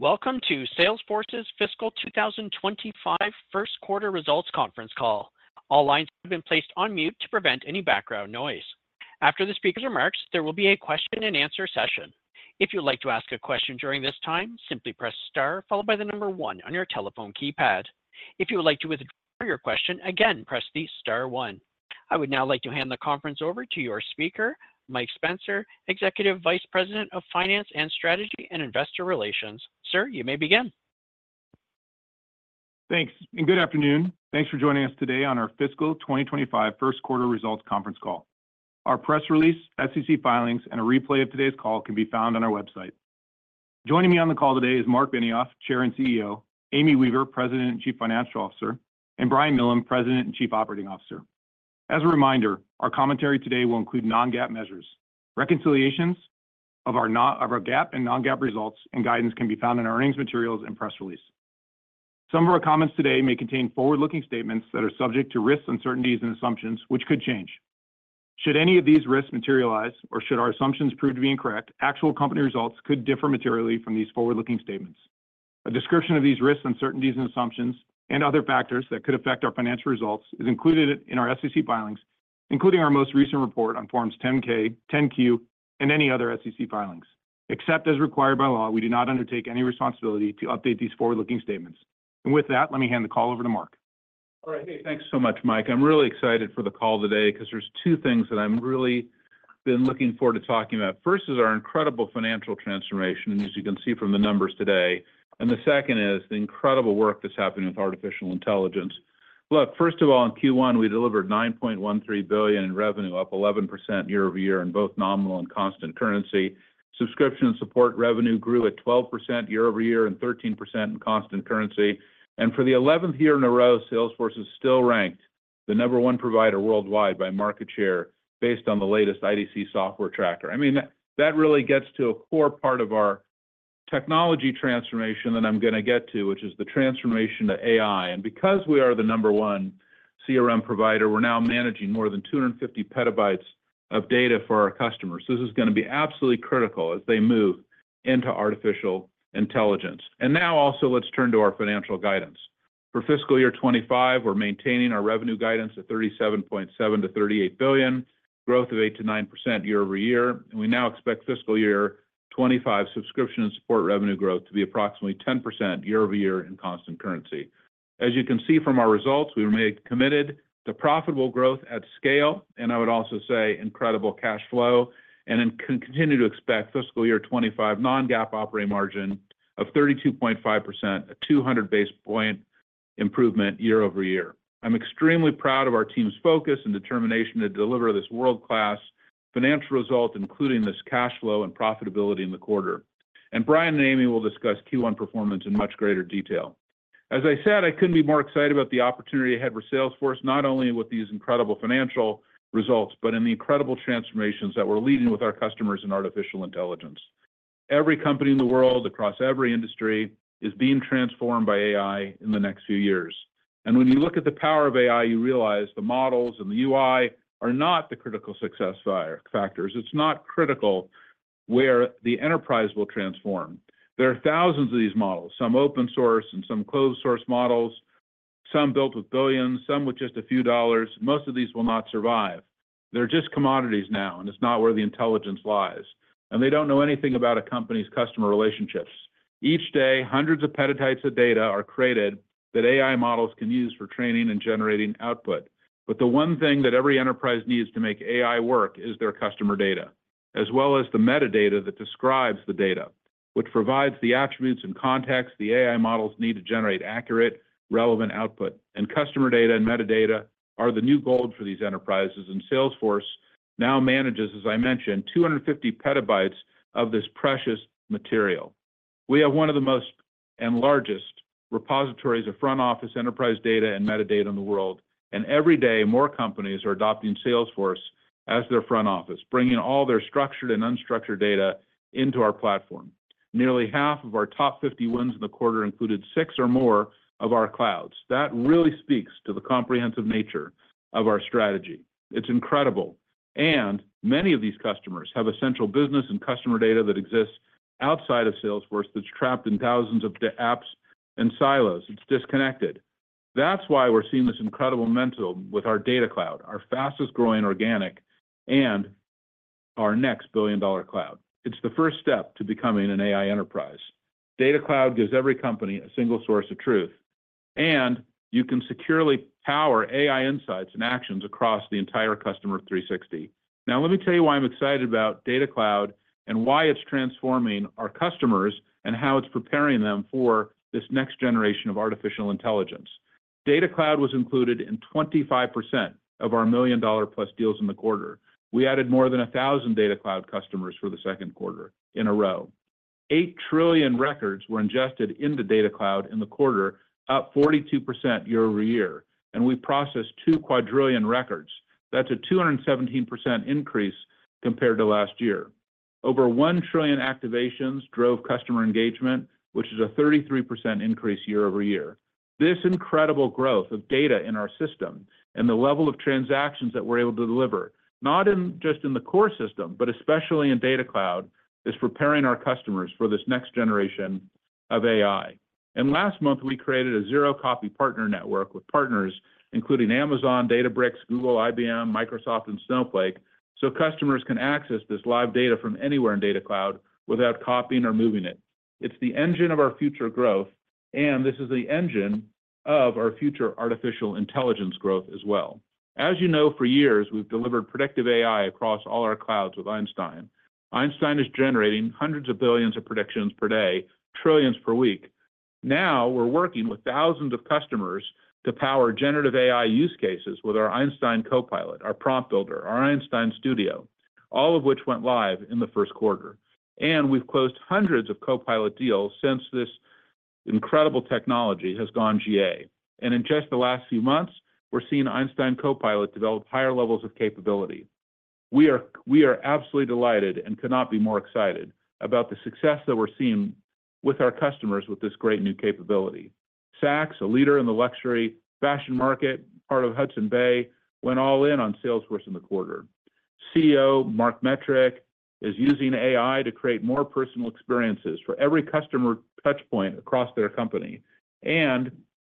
Welcome to Salesforce's Fiscal 2025 first quarter results conference call. All lines have been placed on mute to prevent any background noise. After the speaker's remarks, there will be a question and answer session. If you'd like to ask a question during this time, simply press star followed by the number one on your telephone keypad. If you would like to withdraw your question again, press the star one. I would now like to hand the conference over to your speaker, Mike Spencer, Executive Vice President of Finance and Strategy and Investor Relations. Sir, you may begin. Thanks, and good afternoon. Thanks for joining us today on our fiscal 2025 first quarter results conference call. Our press release, SEC filings, and a replay of today's call can be found on our website. Joining me on the call today is Marc Benioff, Chair and CEO, Amy Weaver, President and Chief Financial Officer, and Brian Millham, President and Chief Operating Officer. As a reminder, our commentary today will include Non-GAAP measures. Reconciliations of our GAAP and Non-GAAP results and guidance can be found in our earnings materials and press release. Some of our comments today may contain forward-looking statements that are subject to risks, uncertainties, and assumptions, which could change. Should any of these risks materialize or should our assumptions prove to be incorrect, actual company results could differ materially from these forward-looking statements. A description of these risks, uncertainties, and assumptions, and other factors that could affect our financial results is included in our SEC filings, including our most recent report on Forms 10-K, Forms 10-Q, and any other SEC filings. Except as required by law, we do not undertake any responsibility to update these forward-looking statements. And with that, let me hand the call over to Marc. All right, hey, thanks so much, Mike. I'm really excited for the call today 'cause there's two things that I'm really been looking forward to talking about. First is our incredible financial transformation, and as you can see from the numbers today, and the second is the incredible work that's happening with artificial intelligence. Look, first of all, in Q1, we delivered $9.13 billion in revenue, up 11% year-over-year in both nominal and constant currency. Subscription and support revenue grew at 12% year-over-year and 13% in constant currency. For the 11th year in a row, Salesforce is still ranked the number one provider worldwide by market share based on the latest IDC Software Tracker. I mean, that really gets to a core part of our technology transformation that I'm gonna get to, which is the transformation to AI. Because we are the number one CRM provider, we're now managing more than 250 PB of data for our customers. This is gonna be absolutely critical as they move into artificial intelligence. Now also, let's turn to our financial guidance. For fiscal year 2025, we're maintaining our revenue guidance at $37.7 billion-$38 billion, growth of 8%-9% year-over-year, and we now expect fiscal year 2025 subscription and support revenue growth to be approximately 10% year-over-year in constant currency. As you can see from our results, we remain committed to profitable growth at scale, and I would also say incredible cash flow, and then continue to expect fiscal year 2025 Non-GAAP operating margin of 32.5%, a 200 basis point improvement year-over-year. I'm extremely proud of our team's focus and determination to deliver this world-class financial result, including this cash flow and profitability in the quarter. And Brian and Amy will discuss Q1 performance in much greater detail. As I said, I couldn't be more excited about the opportunity ahead for Salesforce, not only with these incredible financial results, but in the incredible transformations that we're leading with our customers in artificial intelligence. Every company in the world, across every industry, is being transformed by AI in the next few years. And when you look at the power of AI, you realize the models and the UI are not the critical success factors. It's not critical where the enterprise will transform. There are thousands of these models, some open source and some closed source models, some built with billions, some with just a few dollars. Most of these will not survive. They're just commodities now, and it's not where the intelligence lies, and they don't know anything about a company's customer relationships. Each day, hundreds of petabytes of data are created that AI models can use for training and generating output. But the one thing that every enterprise needs to make AI work is their customer data, as well as the metadata that describes the data, which provides the attributes and context the AI models need to generate accurate, relevant output. And customer data and metadata are the new gold for these enterprises, and Salesforce now manages, as I mentioned, 250 petabytes of this precious material. We have one of the most and largest repositories of front office enterprise data and metadata in the world, and every day, more companies are adopting Salesforce as their front office, bringing all their structured and unstructured data into our platform. Nearly half of our top 50 wins in the quarter included six or more of our clouds. That really speaks to the comprehensive nature of our strategy. It's incredible, and many of these customers have essential business and customer data that exists outside of Salesforce that's trapped in thousands of apps and silos. It's disconnected. That's why we're seeing this incredible momentum with our Data Cloud, our fastest-growing organic and our next billion-dollar cloud. It's the first step to becoming an AI enterprise. Data Cloud gives every company a single source of truth, and you can securely power AI insights and actions across the entire Customer 360. Now, let me tell you why I'm excited about Data Cloud and why it's transforming our customers and how it's preparing them for this next generation of artificial intelligence. Data Cloud was included in 25% of our million-dollar-plus deals in the quarter. We added more than 1,000 Data Cloud customers for the second quarter in a row. Eight trillion records were ingested in the Data Cloud in the quarter, up 42% year-over-year, and we processed two quadrillion records. That's a 217% increase compared to last year. Over 1 trillion activations drove customer engagement, which is a 33% increase year-over-year. This incredible growth of data in our system and the level of transactions that we're able to deliver, not in just in the core system, but especially in Data Cloud, is preparing our customers for this next generation of AI. And last month, we created a Zero Copy Partner Network with partners including Amazon, Databricks, Google, IBM, Microsoft, and Snowflake, so customers can access this live data from anywhere in Data Cloud without copying or moving it. It's the engine of our future growth, and this is the engine of our future artificial intelligence growth as well. As you know, for years, we've delivered predictive AI across all our clouds with Einstein. Einstein is generating hundreds of billions of predictions per day, trillions per week. Now, we're working with thousands of customers to power generative AI use cases with our Einstein Copilot, our Prompt Builder, our Einstein Studio, all of which went live in the first quarter. And we've closed hundreds of Copilot deals since this incredible technology has gone GA. And in just the last few months, we're seeing Einstein Copilot develop higher levels of capability. We are, we are absolutely delighted and could not be more excited about the success that we're seeing with our customers with this great new capability. Saks, a leader in the luxury fashion market, part of Hudson's Bay, went all in on Salesforce in the quarter. CEO Marc Metrick is using AI to create more personal experiences for every customer touchpoint across their company.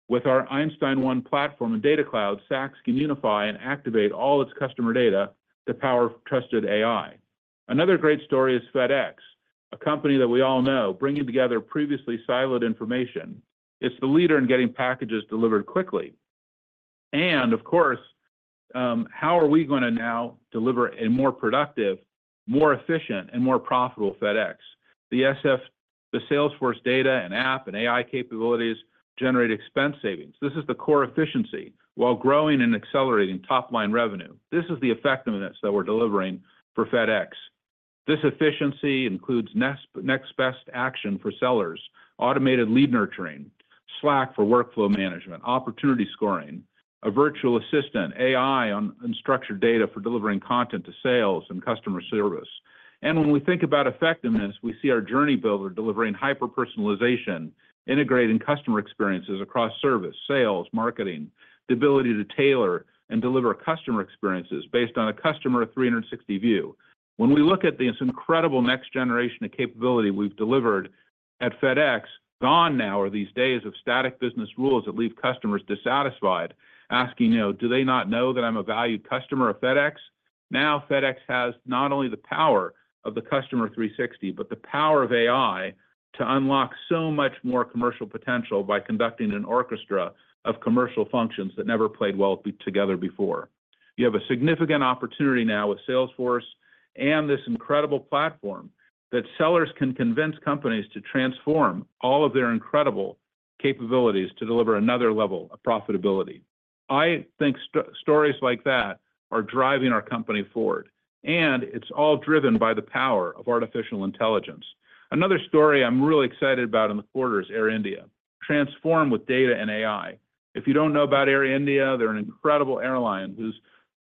With our Einstein 1 Platform and Data Cloud, Saks can unify and activate all its customer data to power trusted AI. Another great story is FedEx, a company that we all know, bringing together previously siloed information. It's the leader in getting packages delivered quickly. Of course, how are we gonna now deliver a more productive, more efficient, and more profitable FedEx? The Salesforce data and app and AI capabilities generate expense savings. This is the core efficiency, while growing and accelerating top-line revenue. This is the effectiveness that we're delivering for FedEx. This efficiency includes next best action for sellers, automated lead nurturing, Slack for workflow management, opportunity scoring, a virtual assistant, AI on unstructured data for delivering content to sales and customer service. When we think about effectiveness, we see our journey builder delivering hyper-personalization, integrating customer experiences across service, sales, marketing, the ability to tailor and deliver customer experiences based on a Customer 360 view. When we look at this incredible next generation of capability we've delivered at FedEx, gone now are these days of static business rules that leave customers dissatisfied, asking, "Do they not know that I'm a valued customer of FedEx?" Now, FedEx has not only the power of the Customer but the power of AI to unlock so much more commercial potential by conducting an orchestra of commercial functions that never played well together before. You have a significant opportunity now with Salesforce and this incredible platform that sellers can convince companies to transform all of their incredible capabilities to deliver another level of profitability. I think stories like that are driving our company forward, and it's all driven by the power of artificial intelligence. Another story I'm really excited about in the quarter is Air India, transformed with data and AI. If you don't know about Air India, they're an incredible airline who's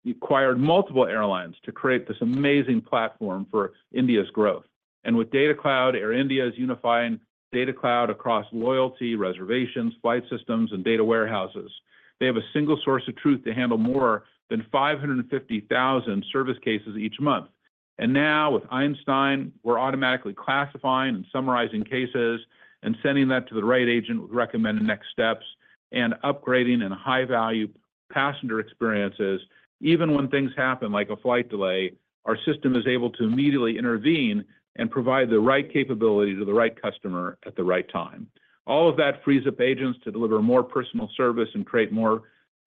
acquired multiple airlines to create this amazing platform for India's growth. And with Data Cloud, Air India is unifying Data Cloud across loyalty, reservations, flight systems, and data warehouses. They have a single source of truth to handle more than 550,000 service cases each month. And now with Einstein, we're automatically classifying and summarizing cases and sending that to the right agent with recommended next steps and upgrading in high-value passenger experiences. Even when things happen, like a flight delay, our system is able to immediately intervene and provide the right capability to the right customer at the right time. All of that frees up agents to deliver more personal service and create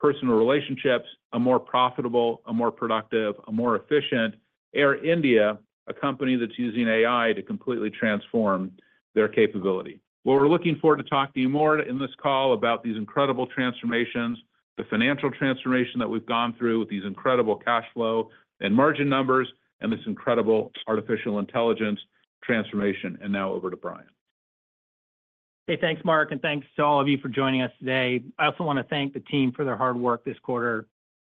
more personal relationships, a more profitable, a more productive, a more efficient Air India, a company that's using AI to completely transform their capability. Well, we're looking forward to talking to you more in this call about these incredible transformations, the financial transformation that we've gone through with these incredible cash flow and margin numbers, and this incredible artificial intelligence transformation. And now over to Brian. Hey, thanks, Marc, and thanks to all of you for joining us today. I also want to thank the team for their hard work this quarter.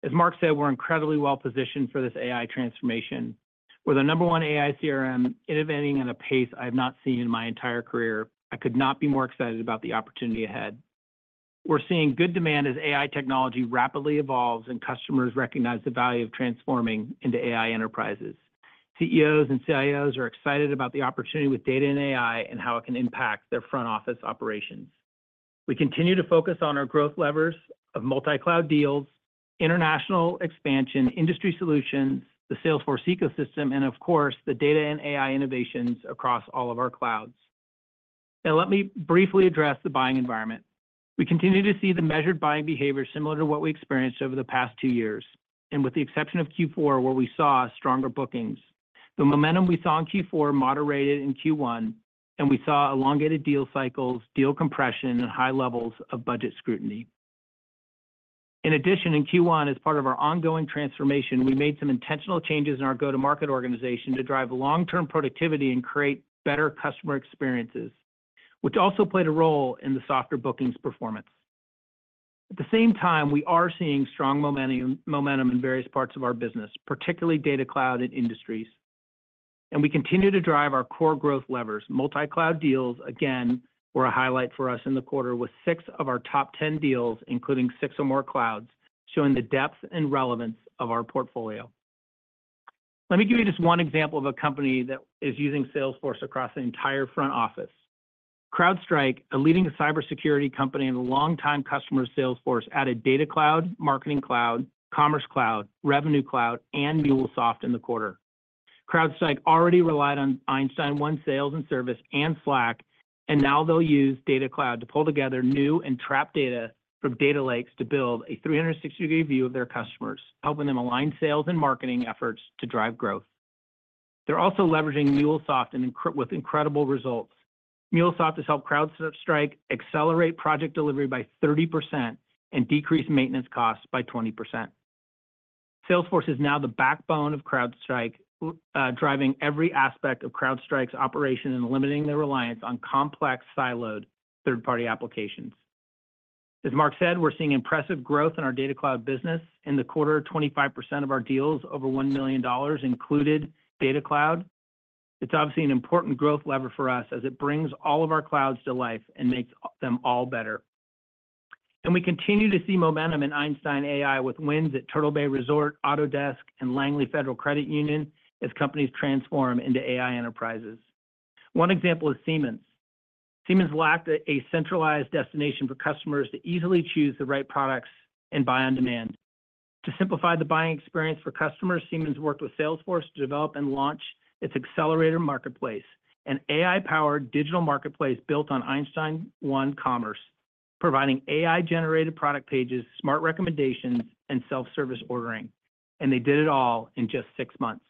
As Marc said, we're incredibly well positioned for this AI transformation. We're the number one AI CRM, innovating at a pace I've not seen in my entire career. I could not be more excited about the opportunity ahead. We're seeing good demand as AI technology rapidly evolves and customers recognize the value of transforming into AI enterprises. CEOs and CIOs are excited about the opportunity with data and AI and how it can impact their front-office operations. We continue to focus on our growth levers of multi-cloud deals, international expansion, industry solutions, the Salesforce ecosystem, and of course, the data and AI innovations across all of our clouds. Now, let me briefly address the buying environment. We continue to see the measured buying behavior similar to what we experienced over the past two years. With the exception of Q4, where we saw stronger bookings, the momentum we saw in Q4 moderated in Q1, and we saw elongated deal cycles, deal compression, and high levels of budget scrutiny. In addition, in Q1, as part of our ongoing transformation, we made some intentional changes in our go-to-market organization to drive long-term productivity and create better customer experiences, which also played a role in the softer bookings performance. At the same time, we are seeing strong momentum in various parts of our business, particularly Data Cloud and industries. We continue to drive our core growth levers. Multi-cloud deals, again, were a highlight for us in the quarter, with six of our top 10 deals, including six or more clouds, showing the depth and relevance of our portfolio. Let me give you just one example of a company that is using Salesforce across the entire front office. CrowdStrike, a leading cybersecurity company and a longtime customer of Salesforce, added Data Cloud, Marketing Cloud, Commerce Cloud, Revenue Cloud, and MuleSoft in the quarter. CrowdStrike already relied on Einstein 1 Sales and Service and Slack, and now they'll use Data Cloud to pull together new and trapped data from data lakes to build a 360-degree view of their customers, helping them align sales and marketing efforts to drive growth. They're also leveraging MuleSoft with incredible results. MuleSoft has helped CrowdStrike accelerate project delivery by 30% and decrease maintenance costs by 20%. Salesforce is now the backbone of CrowdStrike, driving every aspect of CrowdStrike's operation and limiting their reliance on complex, siloed third-party applications. As Marc said, we're seeing impressive growth in our Data Cloud business. In the quarter, 25% of our deals over $1 million included Data Cloud. It's obviously an important growth lever for us, as it brings all of our clouds to life and makes them all better. And we continue to see momentum in Einstein AI with wins at Turtle Bay Resort, Autodesk, and Langley Federal Credit Union as companies transform into AI enterprises. One example is Siemens. Siemens lacked a centralized destination for customers to easily choose the right products and buy on demand. To simplify the buying experience for customers, Siemens worked with Salesforce to develop and launch its Xcelerator Marketplace, an AI-powered digital marketplace built on Einstein 1 Commerce, providing AI-generated product pages, smart recommendations, and self-service ordering. They did it all in just six months.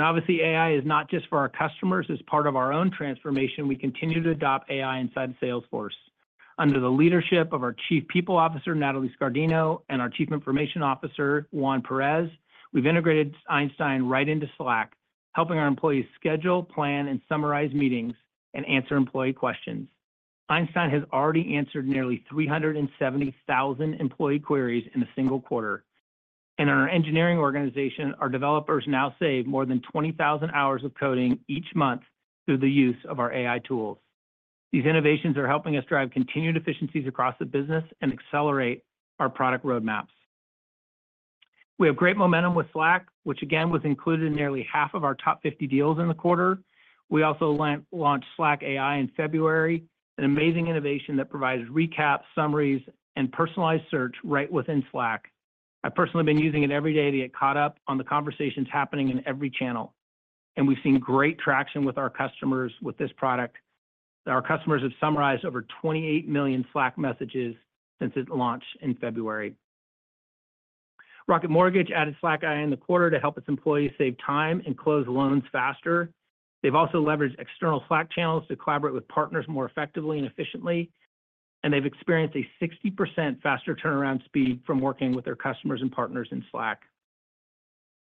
Obviously, AI is not just for our customers. As part of our own transformation, we continue to adopt AI inside Salesforce. Under the leadership of our Chief People Officer, Nathalie Scardino, and our Chief Information Officer, Juan Perez, we've integrated Einstein right into Slack, helping our employees schedule, plan, and summarize meetings and answer employee questions. Einstein has already answered nearly 370,000 employee queries in a single quarter. In our engineering organization, our developers now save more than 20,000 hours of coding each month through the use of our AI tools. These innovations are helping us drive continued efficiencies across the business and accelerate our product roadmaps. We have great momentum with Slack, which again, was included in nearly half of our top 50 deals in the quarter. We also launched Slack AI in February, an amazing innovation that provides recaps, summaries, and personalized search right within Slack. I've personally been using it every day to get caught up on the conversations happening in every channel, and we've seen great traction with our customers with this product. Our customers have summarized over 28 million Slack messages since it launched in February. Rocket Mortgage added Slack AI in the quarter to help its employees save time and close loans faster. They've also leveraged external Slack channels to collaborate with partners more effectively and efficiently, and they've experienced a 60% faster turnaround speed from working with their customers and partners in Slack.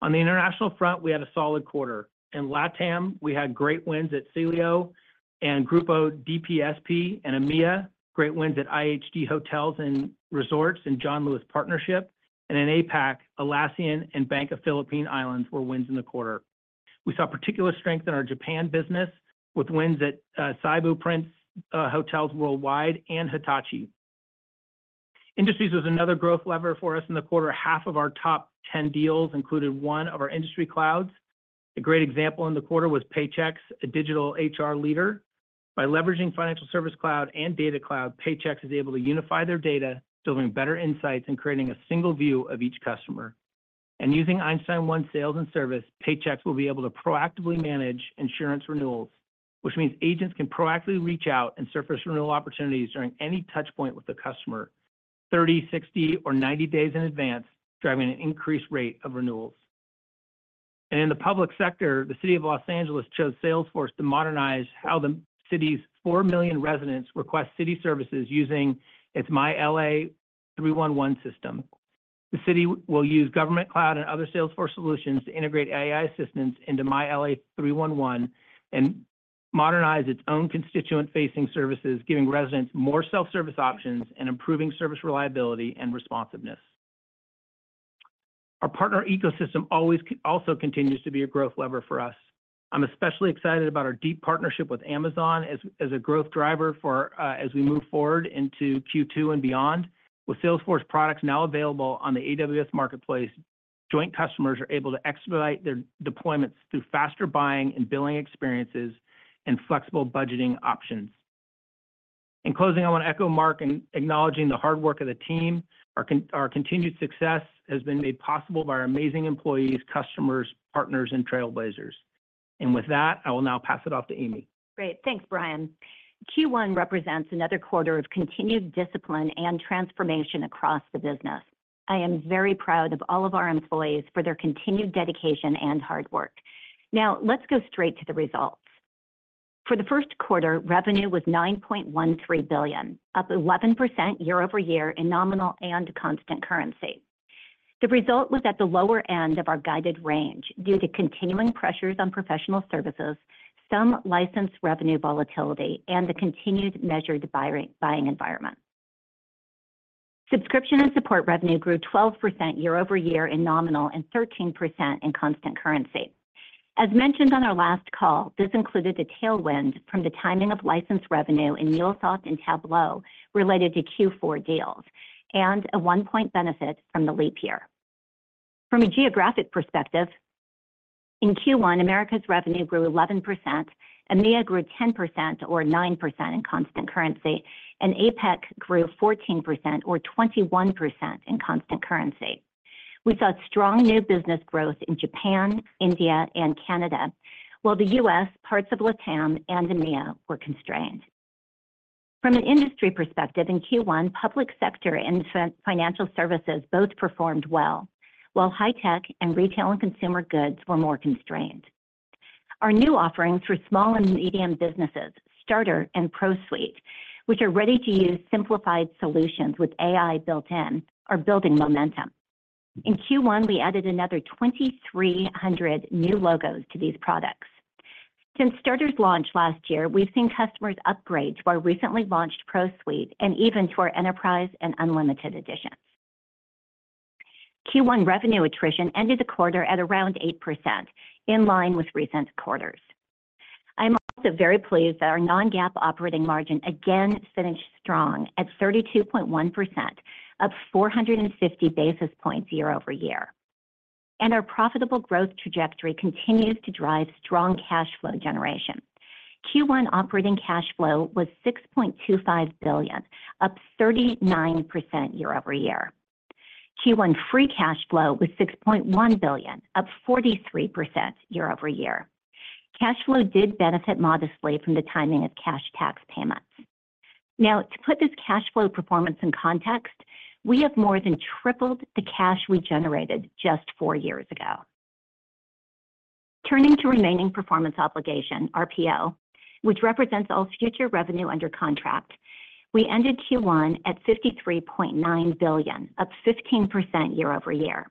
On the international front, we had a solid quarter. In LATAM, we had great wins at Celio and Grupo DPSP, and in EMEA, great wins at IHG Hotels and Resorts and John Lewis Partnership. And in APAC, Atlassian and Bank of the Philippine Islands were wins in the quarter. We saw particular strength in our Japan business, with wins at Seibu Prince Hotels Worldwide and Hitachi. Industries was another growth lever for us in the quarter. Half of our top 10 deals included one of our industry clouds. A great example in the quarter was Paychex, a digital HR leader. By leveraging Financial Services Cloud and Data Cloud, Paychex is able to unify their data, delivering better insights and creating a single view of each customer. Using Einstein 1 Sales and Service, Paychex will be able to proactively manage insurance renewals, which means agents can proactively reach out and surface renewal opportunities during any touchpoint with the customer, 30 days, 60 days, or 90 days in advance, driving an increased rate of renewals. In the public sector, the City of Los Angeles chose Salesforce to modernize how the city's four million residents request city services using its MyLA311 system. The city will use Government Cloud and other Salesforce solutions to integrate AI assistance into MyLA311 and modernize its own constituent-facing services, giving residents more self-service options and improving service reliability and responsiveness. Our partner ecosystem always also continues to be a growth lever for us. I'm especially excited about our deep partnership with Amazon as a growth driver for our as we move forward into Q2 and beyond. With Salesforce products now available on the AWS Marketplace, joint customers are able to expedite their deployments through faster buying and billing experiences and flexible budgeting options. In closing, I want to echo Marc in acknowledging the hard work of the team. Our continued success has been made possible by our amazing employees, customers, partners, and Trailblazers. And with that, I will now pass it off to Amy. Great. Thanks, Brian. Q1 represents another quarter of continued discipline and transformation across the business. I am very proud of all of our employees for their continued dedication and hard work. Now, let's go straight to the results. For the first quarter, revenue was $9.13 billion, up 11% year-over-year in nominal and constant currency. The result was at the lower end of our guided range due to continuing pressures on professional services, some licensed revenue volatility, and the continued measured buying environment. Subscription and support revenue grew 12% year-over-year in nominal and 13% in constant currency. As mentioned on our last call, this included a tailwind from the timing of license revenue in MuleSoft and Tableau related to Q4 deals, and a one-point benefit from the leap year. From a geographic perspective, in Q1, Americas revenue grew 11%, EMEA grew 10% or 9% in constant currency, and APAC grew 14% or 21% in constant currency. We saw strong new business growth in Japan, India, and Canada, while the US, parts of LATAM, and EMEA were constrained. From an industry perspective, in Q1, public sector and financial services both performed well, while high-tech and retail and consumer goods were more constrained. Our new offerings for small and medium businesses, Starter and Pro Suite, which are ready-to-use simplified solutions with AI built in, are building momentum. In Q1, we added another 2,300 new logos to these products. Since Starter's launch last year, we've seen customers upgrade to our recently launched Pro Suite and even to our Enterprise and Unlimited editions. Q1 revenue attrition ended the quarter at around 8%, in line with recent quarters. I'm also very pleased that our Non-GAAP operating margin again finished strong at 32.1%, up 450 basis points year-over-year. Our profitable growth trajectory continues to drive strong cash flow generation. Q1 operating cash flow was $6.25 billion, up 39% year-over-year. Q1 free cash flow was $6.1 billion, up 43% year-over-year. Cash flow did benefit modestly from the timing of cash tax payments. Now, to put this cash flow performance in context, we have more than tripled the cash we generated just 4 years ago. Turning to remaining performance obligation, RPO, which represents all future revenue under contract, we ended Q1 at $53.9 billion, up 15% year-over-year.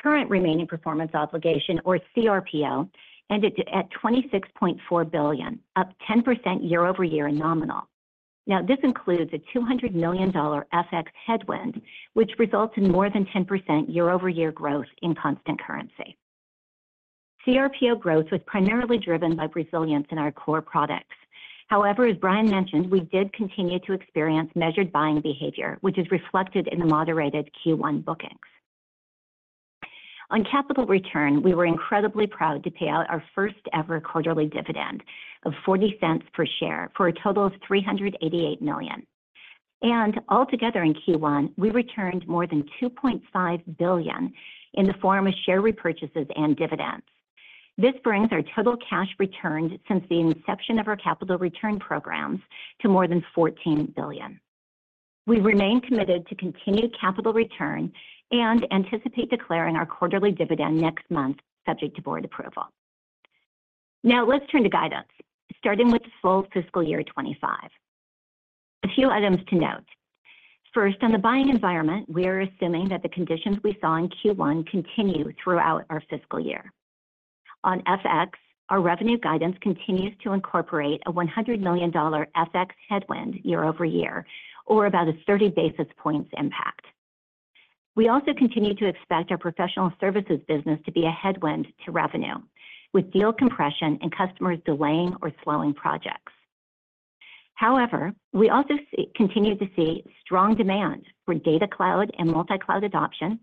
Current remaining performance obligation, or CRPO, ended at $26.4 billion, up 10% year-over-year in nominal. Now, this includes a $200 million FX headwind, which results in more than 10% year-over-year growth in constant currency. CRPO growth was primarily driven by resilience in our core products. However, as Brian mentioned, we did continue to experience measured buying behavior, which is reflected in the moderated Q1 bookings. On capital return, we were incredibly proud to pay out our first-ever quarterly dividend of $0.40 per share for a total of $388 million. Altogether in Q1, we returned more than $2.5 billion in the form of share repurchases and dividends. This brings our total cash returned since the inception of our capital return programs to more than $14 billion. We remain committed to continued capital return and anticipate declaring our quarterly dividend next month, subject to Board approval. Now, let's turn to guidance, starting with full fiscal year 25. A few items to note. First, on the buying environment, we are assuming that the conditions we saw in Q1 continue throughout our fiscal year. On FX, our revenue guidance continues to incorporate a $100 million FX headwind year over year, or about a 30 basis points impact. We also continue to expect our professional services business to be a headwind to revenue, with deal compression and customers delaying or slowing projects. However, we also see continue to see strong demand for Data Cloud and Multicloud adoption.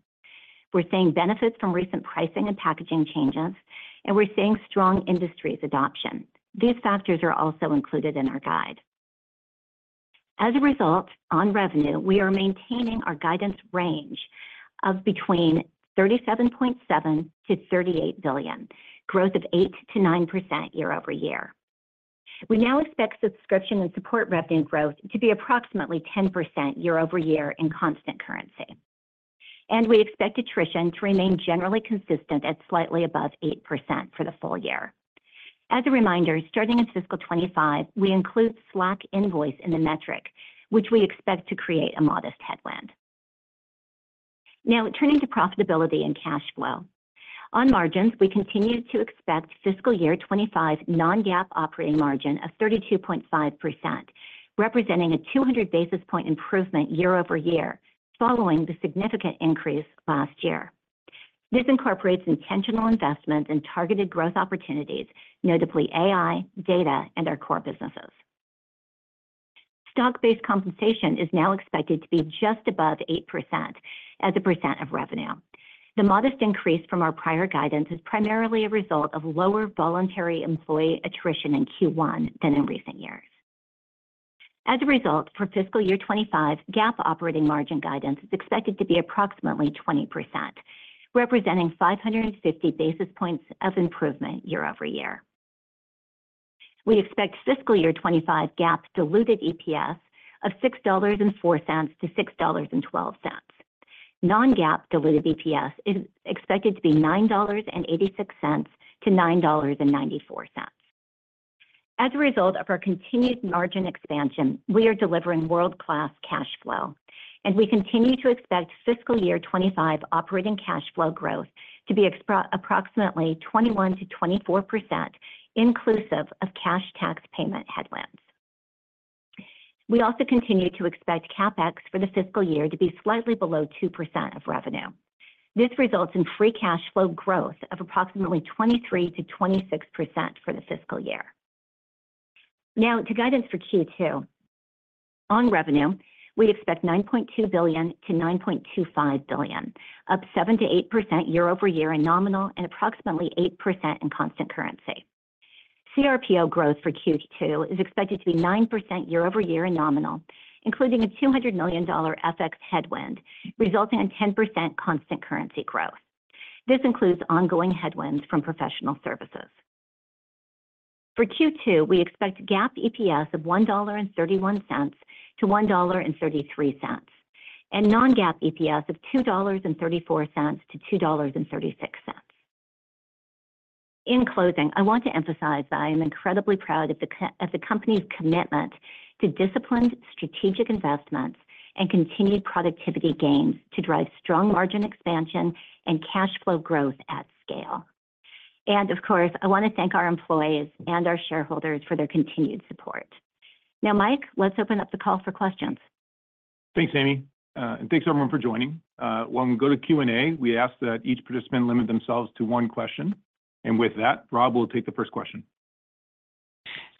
We're seeing benefits from recent pricing and packaging changes, and we're seeing strong industries adoption. These factors are also included in our guide. As a result, on revenue, we are maintaining our guidance range of between $37.7 billion-$38 billion, growth of 8%-9% year-over-year. We now expect subscription and support revenue growth to be approximately 10% year-over-year in constant currency, and we expect attrition to remain generally consistent at slightly above 8% for the full year. As a reminder, starting in fiscal 2025, we include Slack Invoice in the metric, which we expect to create a modest headwind. Now, turning to profitability and cash flow. On margins, we continue to expect fiscal year 2025 Non-GAAP operating margin of 32.5%, representing a 200 basis point improvement year-over-year, following the significant increase last year. This incorporates intentional investment in targeted growth opportunities, notably AI, data, and our core businesses. Stock-based compensation is now expected to be just above 8% as a percent of revenue. The modest increase from our prior guidance is primarily a result of lower voluntary employee attrition in Q1 than in recent years. As a result, for fiscal year 2025, GAAP operating margin guidance is expected to be approximately 20%, representing 550 basis points of improvement year over year. We expect fiscal year 2025 GAAP diluted EPS of $6.04-$6.12. Non-GAAP diluted EPS is expected to be $9.86-$9.94. As a result of our continued margin expansion, we are delivering world-class cash flow, and we continue to expect fiscal year 2025 operating cash flow growth to be approximately 21%-24%, inclusive of cash tax payment headwinds. We also continue to expect CapEx for the fiscal year to be slightly below 2% of revenue. This results in free cash flow growth of approximately 23%-26% for the fiscal year. Now, to guidance for Q2. On revenue, we expect $9.2 billion-$9.25 billion, up 7%-8% year over year in nominal and approximately 8% in constant currency. CRPO growth for Q2 is expected to be 9% year over year in nominal, including a $200 million FX headwind, resulting in 10% constant currency growth. This includes ongoing headwinds from professional services. For Q2, we expect GAAP EPS of $1.31-$1.33, and Non-GAAP EPS of $2.34-$2.36. In closing, I want to emphasize that I am incredibly proud of the company's commitment to disciplined strategic investments and continued productivity gains to drive strong margin expansion and cash flow growth at scale. Of course, I want to thank our employees and our shareholders for their continued support. Now, Mike, let's open up the call for questions. Thanks, Amy, and thanks, everyone, for joining. When we go to Q&A, we ask that each participant limit themselves to one question. With that, Rob will take the first question.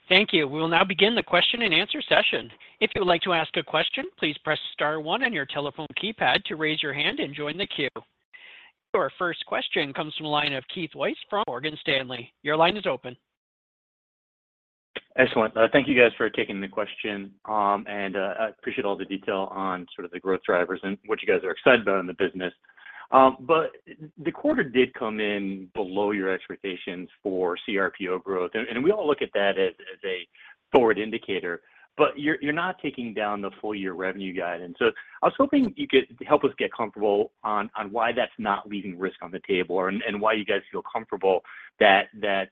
Thank you. We'll now begin the question and answer session. If you would like to ask a question, please press star one on your telephone keypad to raise your hand and join the queue. Our first question comes from the line of Keith Weiss from Morgan Stanley. Your line is open. Excellent. Thank you guys for taking the question. I appreciate all the detail on sort of the growth drivers and what you guys are excited about in the business. But the quarter did come in below your expectations for CRPO growth, and we all look at that as a forward indicator. But you're not taking down the full year revenue guide, and so I was hoping you could help us get comfortable on why that's not leaving risk on the table and why you guys feel comfortable that that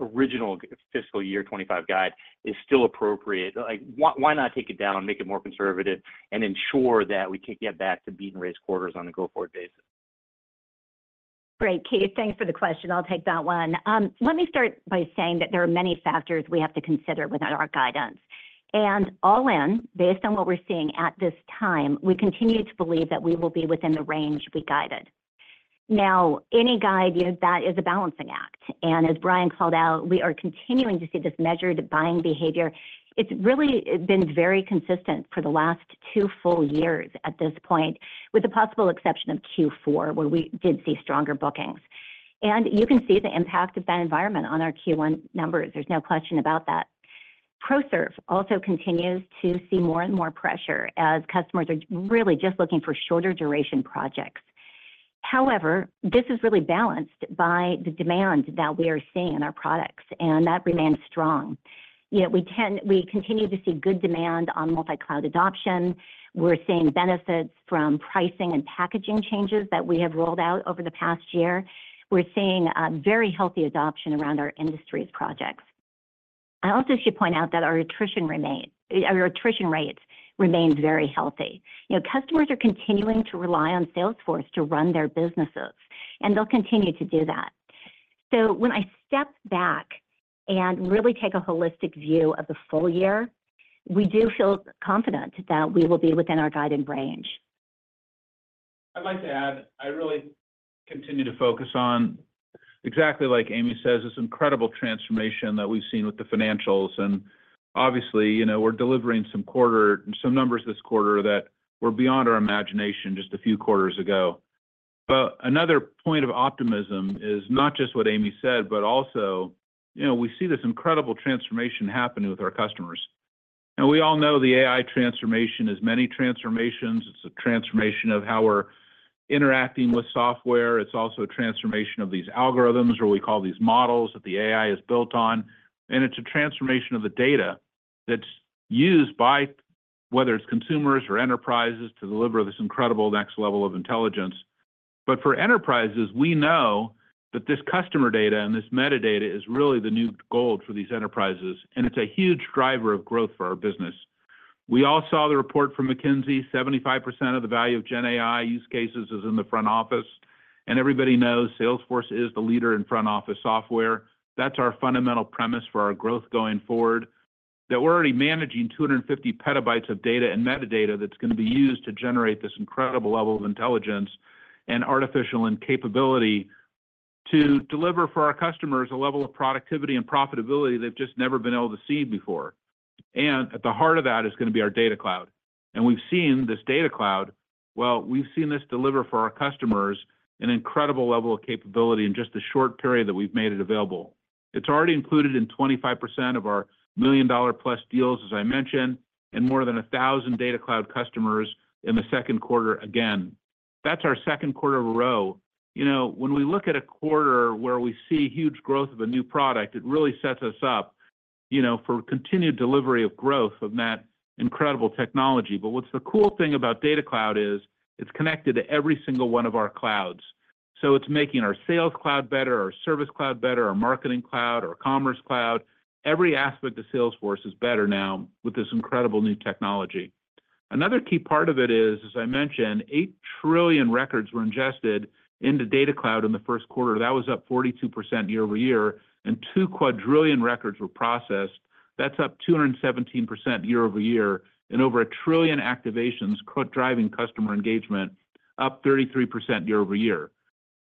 original fiscal year 2025 guide is still appropriate. Like, why not take it down and make it more conservative and ensure that we can get back to beat and raise quarters on a go-forward basis? Great, Keith. Thanks for the question. I'll take that one. Let me start by saying that there are many factors we have to consider with our guidance, and all in, based on what we're seeing at this time, we continue to believe that we will be within the range we guided. Now, any guide, you know, that is a balancing act, and as Brian called out, we are continuing to see this measured buying behavior. It's really been very consistent for the last two full years at this point, with the possible exception of Q4, where we did see stronger bookings. And you can see the impact of that environment on our Q1 numbers. There's no question about that. ProServe also continues to see more and more pressure as customers are really just looking for shorter duration projects. However, this is really balanced by the demand that we are seeing in our products, and that remains strong. You know, we continue to see good demand on multi-cloud adoption. We're seeing benefits from pricing and packaging changes that we have rolled out over the past year. We're seeing very healthy adoption around our industries projects. I also should point out that our attrition remains, our attrition rates remains very healthy. You know, customers are continuing to rely on Salesforce to run their businesses, and they'll continue to do that. So when I step back and really take a holistic view of the full year, we do feel confident that we will be within our guided range. I'd like to add, I really continue to focus on, exactly like Amy says, this incredible transformation that we've seen with the financials. And obviously, you know, we're delivering some quarter, some numbers this quarter that were beyond our imagination just a few quarters ago. But another point of optimism is not just what Amy said, but also, you know, we see this incredible transformation happening with our customers. And we all know the AI transformation is many transformations. It's a transformation of how we're interacting with software. It's also a transformation of these algorithms, or we call these models that the AI is built on, and it's a transformation of the data that's used by, whether it's consumers or enterprises, to deliver this incredible next level of intelligence. But for enterprises, we know that this customer data and this metadata is really the new gold for these enterprises, and it's a huge driver of growth for our business. We all saw the report from McKinsey. 75% of the value of GenAI use cases is in the front office, and everybody knows Salesforce is the leader in front-office software. That's our fundamental premise for our growth going forward, that we're already managing 250 PB of data and metadata that's gonna be used to generate this incredible level of intelligence and artificial capability to deliver for our customers a level of productivity and profitability they've just never been able to see before. And at the heart of that is gonna be our Data Cloud, and we've seen this Data Cloud... Well, we've seen this deliver for our customers an incredible level of capability in just a short period that we've made it available. It's already included in 25% of our $1 million-plus deals, as I mentioned, and more than 1,000 Data Cloud customers in the second quarter. Again, that's our second quarter in a row. You know, when we look at a quarter where we see huge growth of a new product, it really sets us up, you know, for continued delivery of growth of that incredible technology. But what's the cool thing about Data Cloud is, it's connected to every single one of our clouds.... So it's making our Sales Cloud better, our Service Cloud better, our Marketing Cloud, our Commerce Cloud. Every aspect of Salesforce is better now with this incredible new technology. Another key part of it is, as I mentioned, eight trillion records were ingested into Data Cloud in the first quarter. That was up 42% year-over-year, and two quadrillion records were processed. That's up 217% year-over-year, and over a trillion activations driving customer engagement, up 33% year-over-year.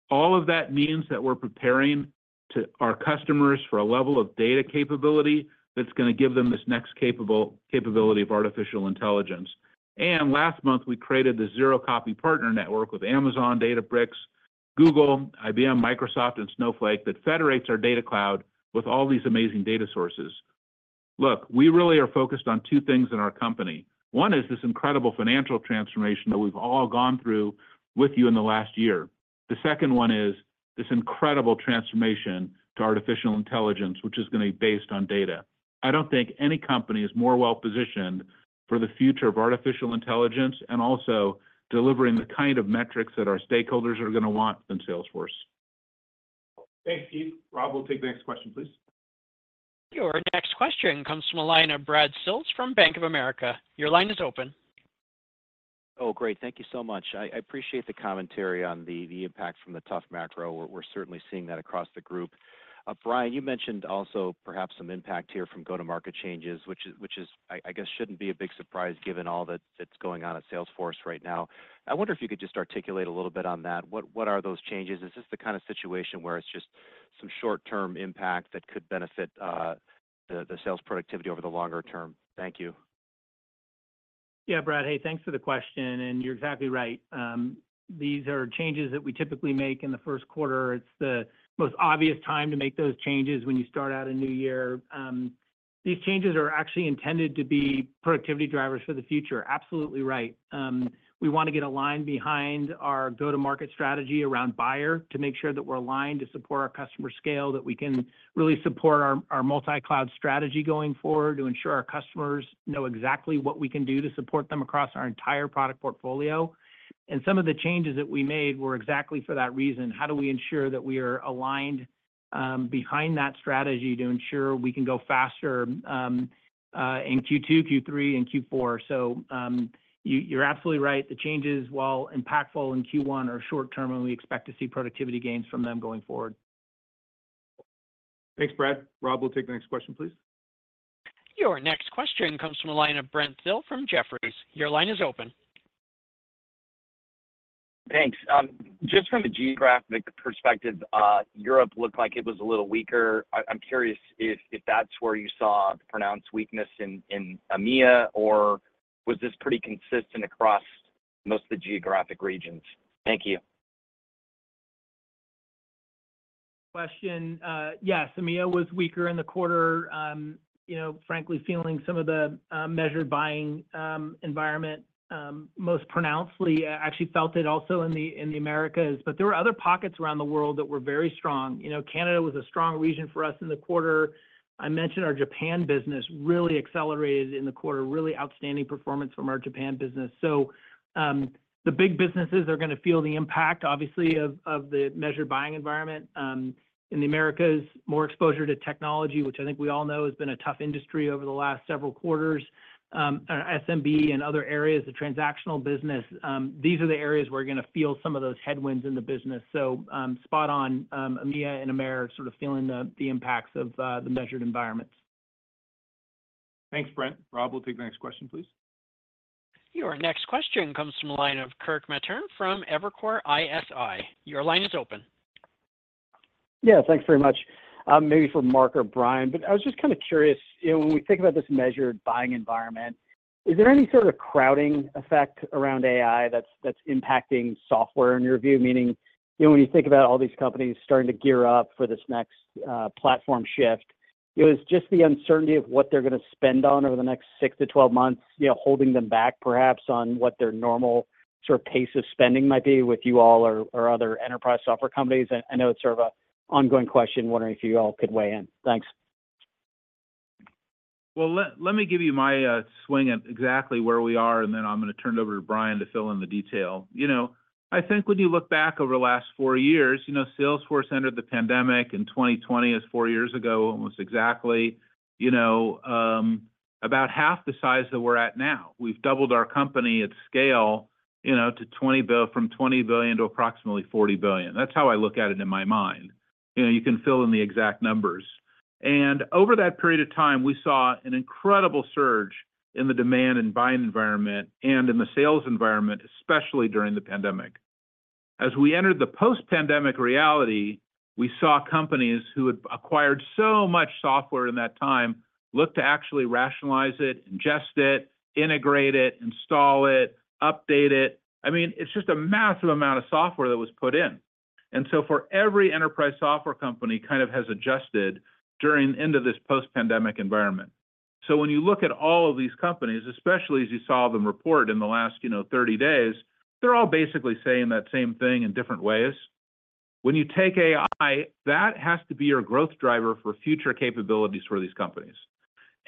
All of that means that we're preparing to our customers for a level of data capability that's gonna give them this next capability of artificial intelligence. And last month, we created the Zero Copy Partner Network with Amazon, Databricks, Google, IBM, Microsoft, and Snowflake that federates our Data Cloud with all these amazing data sources. Look, we really are focused on two things in our company. One is this incredible financial transformation that we've all gone through with you in the last year. The second one is this incredible transformation to artificial intelligence, which is gonna be based on data. I don't think any company is more well-positioned for the future of artificial intelligence and also delivering the kind of metrics that our stakeholders are gonna want than Salesforce. Thanks, Steve. Rob, we'll take the next question, please. Your next question comes from the line of Brad Sills from Bank of America. Your line is open. Oh, great. Thank you so much. I appreciate the commentary on the impact from the tough macro. We're certainly seeing that across the group. Brian, you mentioned also perhaps some impact here from go-to-market changes, which, I guess, shouldn't be a big surprise given all that's going on at Salesforce right now. I wonder if you could just articulate a little bit on that. What are those changes? Is this the kind of situation where it's just some short-term impact that could benefit the sales productivity over the longer term? Thank you. Yeah, Brad. Hey, thanks for the question, and you're exactly right. These are changes that we typically make in the first quarter. It's the most obvious time to make those changes when you start out a new year. These changes are actually intended to be productivity drivers for the future. Absolutely right. We wanna get aligned behind our go-to-market strategy around buyer to make sure that we're aligned to support our customer scale, that we can really support our, our multi-cloud strategy going forward, to ensure our customers know exactly what we can do to support them across our entire product portfolio. And some of the changes that we made were exactly for that reason. How do we ensure that we are aligned behind that strategy to ensure we can go faster in Q2, Q3, and Q4? So, you, you're absolutely right. The changes, while impactful in Q1, are short term, and we expect to see productivity gains from them going forward. Thanks, Brad. Rob, we'll take the next question, please. Your next question comes from the line of Brent Thill from Jefferies. Your line is open. Thanks. Just from a geographic perspective, Europe looked like it was a little weaker. I'm curious if that's where you saw the pronounced weakness in EMEA, or was this pretty consistent across most of the geographic regions? Thank you. Question. Yes, EMEA was weaker in the quarter, you know, frankly, feeling some of the measured buying environment, most pronouncedly. Actually felt it also in the Americas, but there were other pockets around the world that were very strong. You know, Canada was a strong region for us in the quarter. I mentioned our Japan business really accelerated in the quarter, really outstanding performance from our Japan business. So, the big businesses are gonna feel the impact, obviously, of the measured buying environment. In the Americas, more exposure to technology, which I think we all know has been a tough industry over the last several quarters. SMB and other areas of transactional business, these are the areas where we're gonna feel some of those headwinds in the business. So, spot on, EMEA and America sort of feeling the impacts of the measured environments. Thanks, Brent. Rob, we'll take the next question, please. Your next question comes from the line of Kirk Materne from Evercore ISI. Your line is open. Yeah, thanks very much. Maybe for Marc or Brian, but I was just kind of curious, you know, when we think about this measured buying environment, is there any sort of crowding effect around AI that's impacting software in your view? Meaning, you know, when you think about all these companies starting to gear up for this next platform shift, is just the uncertainty of what they're gonna spend on over the next 6-12 months, you know, holding them back perhaps on what their normal sort of pace of spending might be with you all or other enterprise software companies? I know it's sort of an ongoing question, wondering if you all could weigh in. Thanks. Well, let me give you my swing at exactly where we are, and then I'm gonna turn it over to Brian to fill in the detail. You know, I think when you look back over the last four years, you know, Salesforce entered the pandemic in 2020, it's four years ago, almost exactly, you know, about half the size that we're at now. We've doubled our company at scale, you know, from $20 billion to approximately $40 billion. That's how I look at it in my mind. You know, you can fill in the exact numbers. And over that period of time, we saw an incredible surge in the demand and buying environment and in the sales environment, especially during the pandemic. As we entered the post-pandemic reality, we saw companies who had acquired so much software in that time, look to actually rationalize it, ingest it, integrate it, install it, update it. I mean, it's just a massive amount of software that was put in. And so for every enterprise software company kind of has adjusted during the end of this post-pandemic environment. So when you look at all of these companies, especially as you saw them report in the last, you know, 30 days, they're all basically saying that same thing in different ways. When you take AI, that has to be your growth driver for future capabilities for these companies....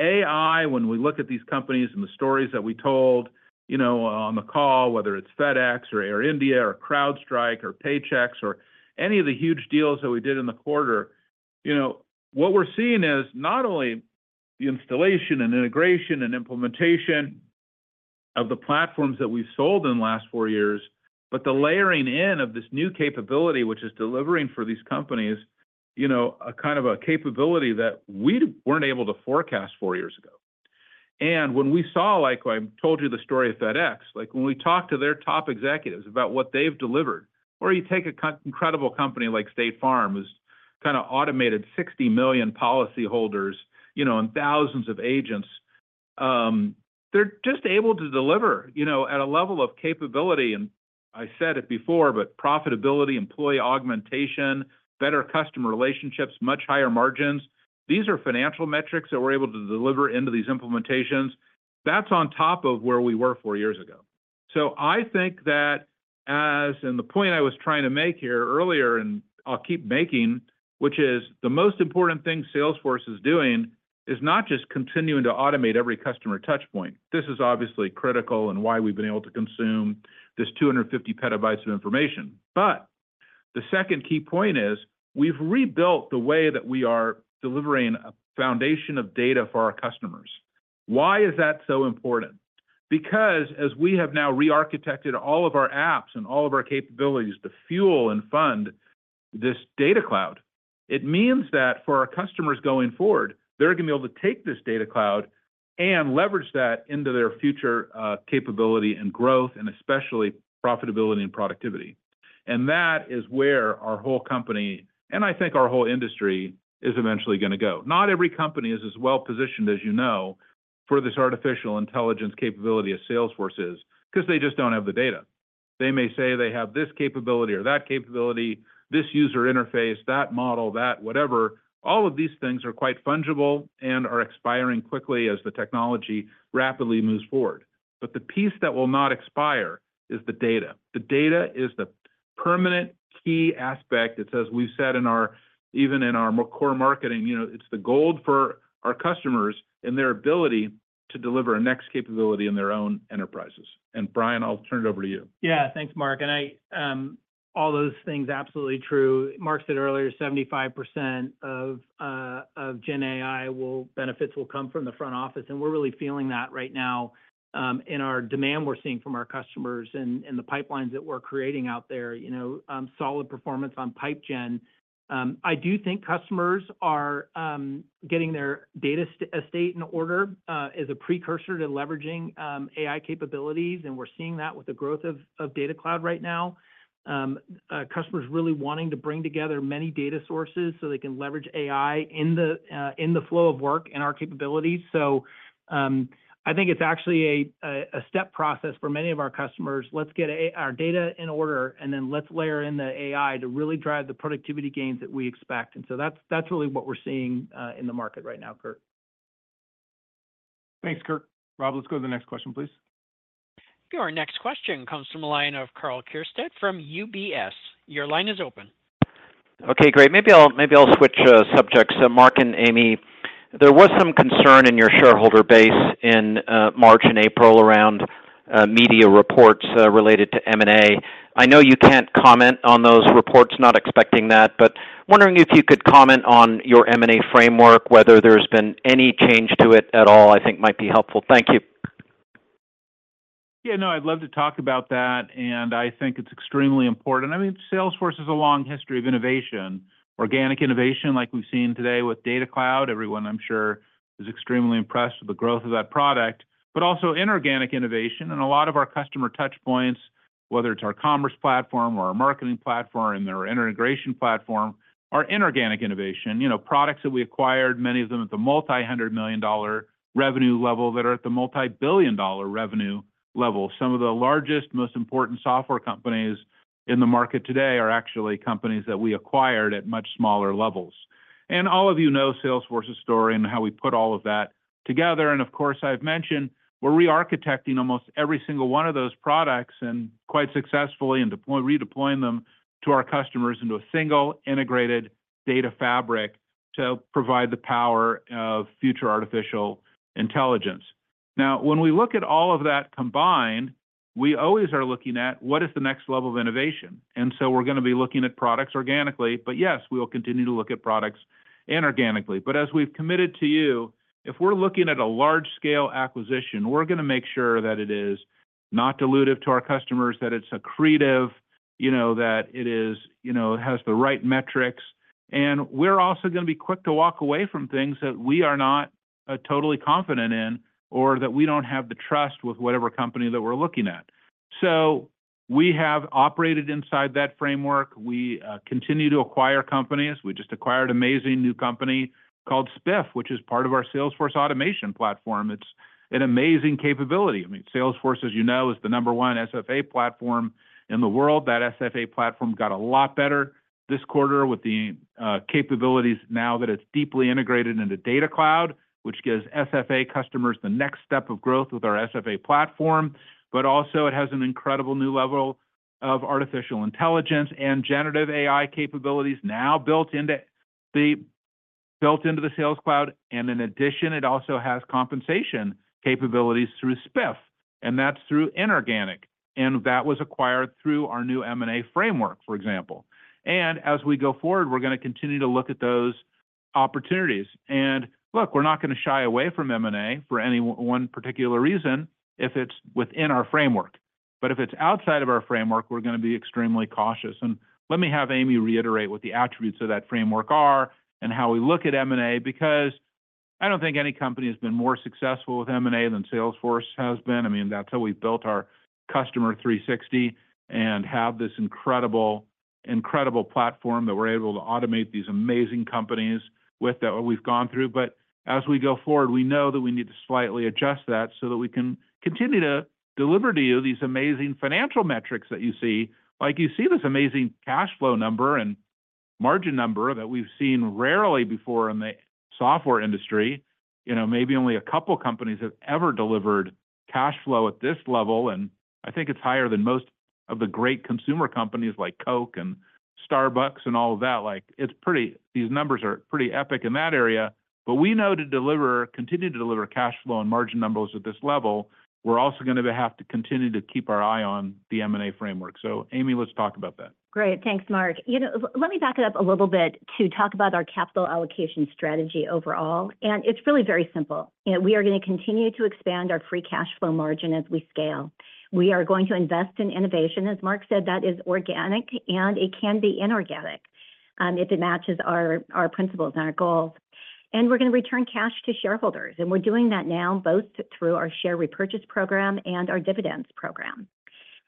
AI, when we look at these companies and the stories that we told, you know, on the call, whether it's FedEx or Air India or CrowdStrike or Paychex or any of the huge deals that we did in the quarter, you know, what we're seeing is not only the installation and integration and implementation of the platforms that we've sold in the last four years, but the layering in of this new capability, which is delivering for these companies, you know, a kind of a capability that we weren't able to forecast four years ago. When we saw, like I told you the story of FedEx, like, when we talked to their top executives about what they've delivered, or you take an incredible company like State Farm, who's kind of automated 60 million policyholders, you know, and thousands of agents, they're just able to deliver, you know, at a level of capability, and I said it before, but profitability, employee augmentation, better customer relationships, much higher margins. These are financial metrics that we're able to deliver into these implementations. That's on top of where we were four years ago. So I think that as, and the point I was trying to make here earlier, and I'll keep making, which is the most important thing Salesforce is doing, is not just continuing to automate every customer touch point. This is obviously critical and why we've been able to consume this 250 petabytes of information. But the second key point is, we've rebuilt the way that we are delivering a foundation of data for our customers. Why is that so important? Because as we have now rearchitected all of our apps and all of our capabilities to fuel and fund this data cloud, it means that for our customers going forward, they're going to be able to take this data cloud and leverage that into their future, capability and growth, and especially profitability and productivity. And that is where our whole company, and I think our whole industry, is eventually going to go. Not every company is as well positioned, as you know, for this artificial intelligence capability as Salesforce is, 'cause they just don't have the data. They may say they have this capability or that capability, this user interface, that model, that whatever. All of these things are quite fungible and are expiring quickly as the technology rapidly moves forward. But the piece that will not expire is the data. The data is the permanent key aspect that, as we've said in our, even in our core marketing, you know, it's the gold for our customers and their ability to deliver a next capability in their own enterprises. And Brian, I'll turn it over to you. Yeah. Thanks, Marc. And I, all those things, absolutely true. Marc said earlier, 75% of GenAI benefits will come from the front office, and we're really feeling that right now, in our demand we're seeing from our customers and the pipelines that we're creating out there. You know, solid performance on pipe gen. I do think customers are getting their data estate in order, as a precursor to leveraging AI capabilities, and we're seeing that with the growth of Data Cloud right now. Customers really wanting to bring together many data sources so they can leverage AI in the flow of work and our capabilities. So, I think it's actually a step process for many of our customers. Let's get our data in order, and then let's layer in the AI to really drive the productivity gains that we expect, and so that's, that's really what we're seeing in the market right now, Kirk. Thanks, Kirk. Rob, let's go to the next question, please. Our next question comes from the line of Karl Keirstead from UBS. Your line is open. Okay, great. Maybe I'll, maybe I'll switch subjects. So Marc and Amy, there was some concern in your shareholder base in March and April around media reports related to M&A. I know you can't comment on those reports, not expecting that, but wondering if you could comment on your M&A framework, whether there's been any change to it at all. I think might be helpful. Thank you. Yeah, no, I'd love to talk about that, and I think it's extremely important. I mean, Salesforce has a long history of innovation. Organic innovation, like we've seen today with Data Cloud. Everyone, I'm sure, is extremely impressed with the growth of that product, but also inorganic innovation and a lot of our customer touch points, whether it's our commerce platform or our marketing platform and our integration platform, our inorganic innovation. You know, products that we acquired, many of them at the multi-hundred-million-dollar revenue level, that are at the multi-billion-dollar revenue level. Some of the largest, most important software companies in the market today are actually companies that we acquired at much smaller levels. And all of you know Salesforce's story and how we put all of that together, and of course, I've mentioned we're rearchitecting almost every single one of those products, and quite successfully, and redeploying them to our customers into a single integrated data fabric to provide the power of future artificial intelligence. Now, when we look at all of that combined, we always are looking at what is the next level of innovation? And so we're gonna be looking at products organically, but yes, we will continue to look at products inorganically. But as we've committed to you, if we're looking at a large-scale acquisition, we're gonna make sure that it is not dilutive to our customers, that it's accretive, you know, that it is... You know, has the right metrics, and we're also gonna be quick to walk away from things that we are not totally confident in, or that we don't have the trust with whatever company that we're looking at. So we have operated inside that framework. We continue to acquire companies. We just acquired an amazing new company called Spiff, which is part of our Salesforce automation platform. It's an amazing capability. I mean, Salesforce, as you know, is the number one SFA platform in the world. That SFA platform got a lot better this quarter with the capabilities now that it's deeply integrated into Data Cloud, which gives SFA customers the next step of growth with our SFA platform, but also it has an incredible new level-... of artificial intelligence and generative AI capabilities now built into the, built into the Sales Cloud, and in addition, it also has compensation capabilities through Spiff, and that's through inorganic, and that was acquired through our new M&A framework, for example. And as we go forward, we're gonna continue to look at those opportunities. And look, we're not gonna shy away from M&A for any one particular reason if it's within our framework. But if it's outside of our framework, we're gonna be extremely cautious. And let me have Amy reiterate what the attributes of that framework are and how we look at M&A, because I don't think any company has been more successful with M&A than Salesforce has been. I mean, that's how we've built our Customer 360 and have this incredible, incredible platform that we're able to automate these amazing companies with that what we've gone through. But as we go forward, we know that we need to slightly adjust that so that we can continue to deliver to you these amazing financial metrics that you see. Like, you see this amazing cash flow number and margin number that we've seen rarely before in the software industry. You know, maybe only a couple companies have ever delivered cash flow at this level, and I think it's higher than most of the great consumer companies like Coke and Starbucks and all of that. Like, it's pretty, these numbers are pretty epic in that area. But we know to deliver, continue to deliver cash flow and margin numbers at this level, we're also gonna have to continue to keep our eye on the M&A framework. So, Amy, let's talk about that. Great. Thanks, Marc. You know, let me back it up a little bit to talk about our capital allocation strategy overall, and it's really very simple. You know, we are gonna continue to expand our free cash flow margin as we scale. We are going to invest in innovation, as Marc said, that is organic, and it can be inorganic, if it matches our principles and our goals. And we're gonna return cash to shareholders, and we're doing that now, both through our share repurchase program and our dividends program.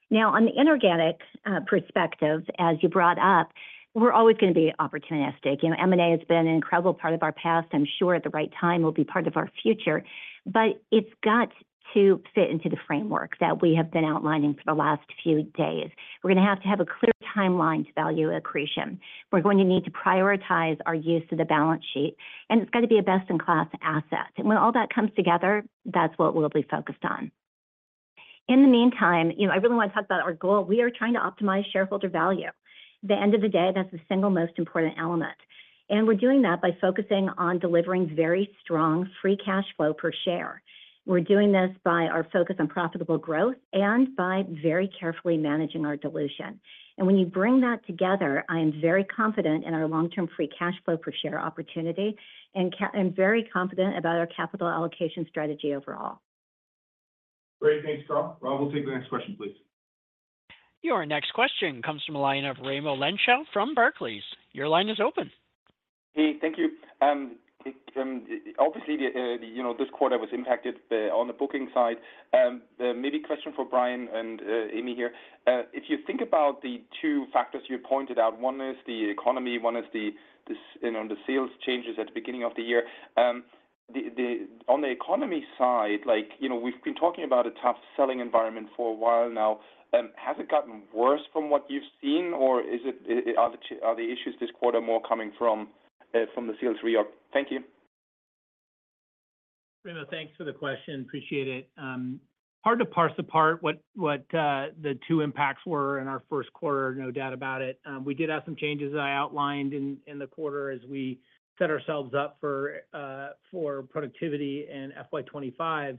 Now, on the inorganic perspective, as you brought up, we're always gonna be opportunistic. You know, M&A has been an incredible part of our past, I'm sure at the right time, will be part of our future, but it's got to fit into the framework that we have been outlining for the last few days. We're gonna have to have a clear timeline to value accretion. We're going to need to prioritize our use of the balance sheet, and it's gonna be a best-in-class asset. When all that comes together, that's what we'll be focused on. In the meantime, you know, I really wanna talk about our goal. We are trying to optimize shareholder value. At the end of the day, that's the single most important element, and we're doing that by focusing on delivering very strong free cash flow per share. We're doing this by our focus on profitable growth and by very carefully managing our dilution. When you bring that together, I am very confident in our long-term free cash flow per share opportunity, and very confident about our capital allocation strategy overall. Great. Thanks, Rob. Rob, we'll take the next question, please. Your next question comes from the line of Raimo Lenschow from Barclays. Your line is open. Hey, thank you. Obviously, you know, this quarter was impacted on the booking side. Maybe question for Brian and Amy here. If you think about the two factors you pointed out, one is the economy, one is this, you know, the sales changes at the beginning of the year. On the economy side, like, you know, we've been talking about a tough selling environment for a while now. Has it gotten worse from what you've seen, or is it—are the issues this quarter more coming from the sales reorg? Thank you. Raimo, thanks for the question. Appreciate it. Hard to parse apart what the two impacts were in our first quarter, no doubt about it. We did have some changes, as I outlined in the quarter, as we set ourselves up for productivity in FY 2025.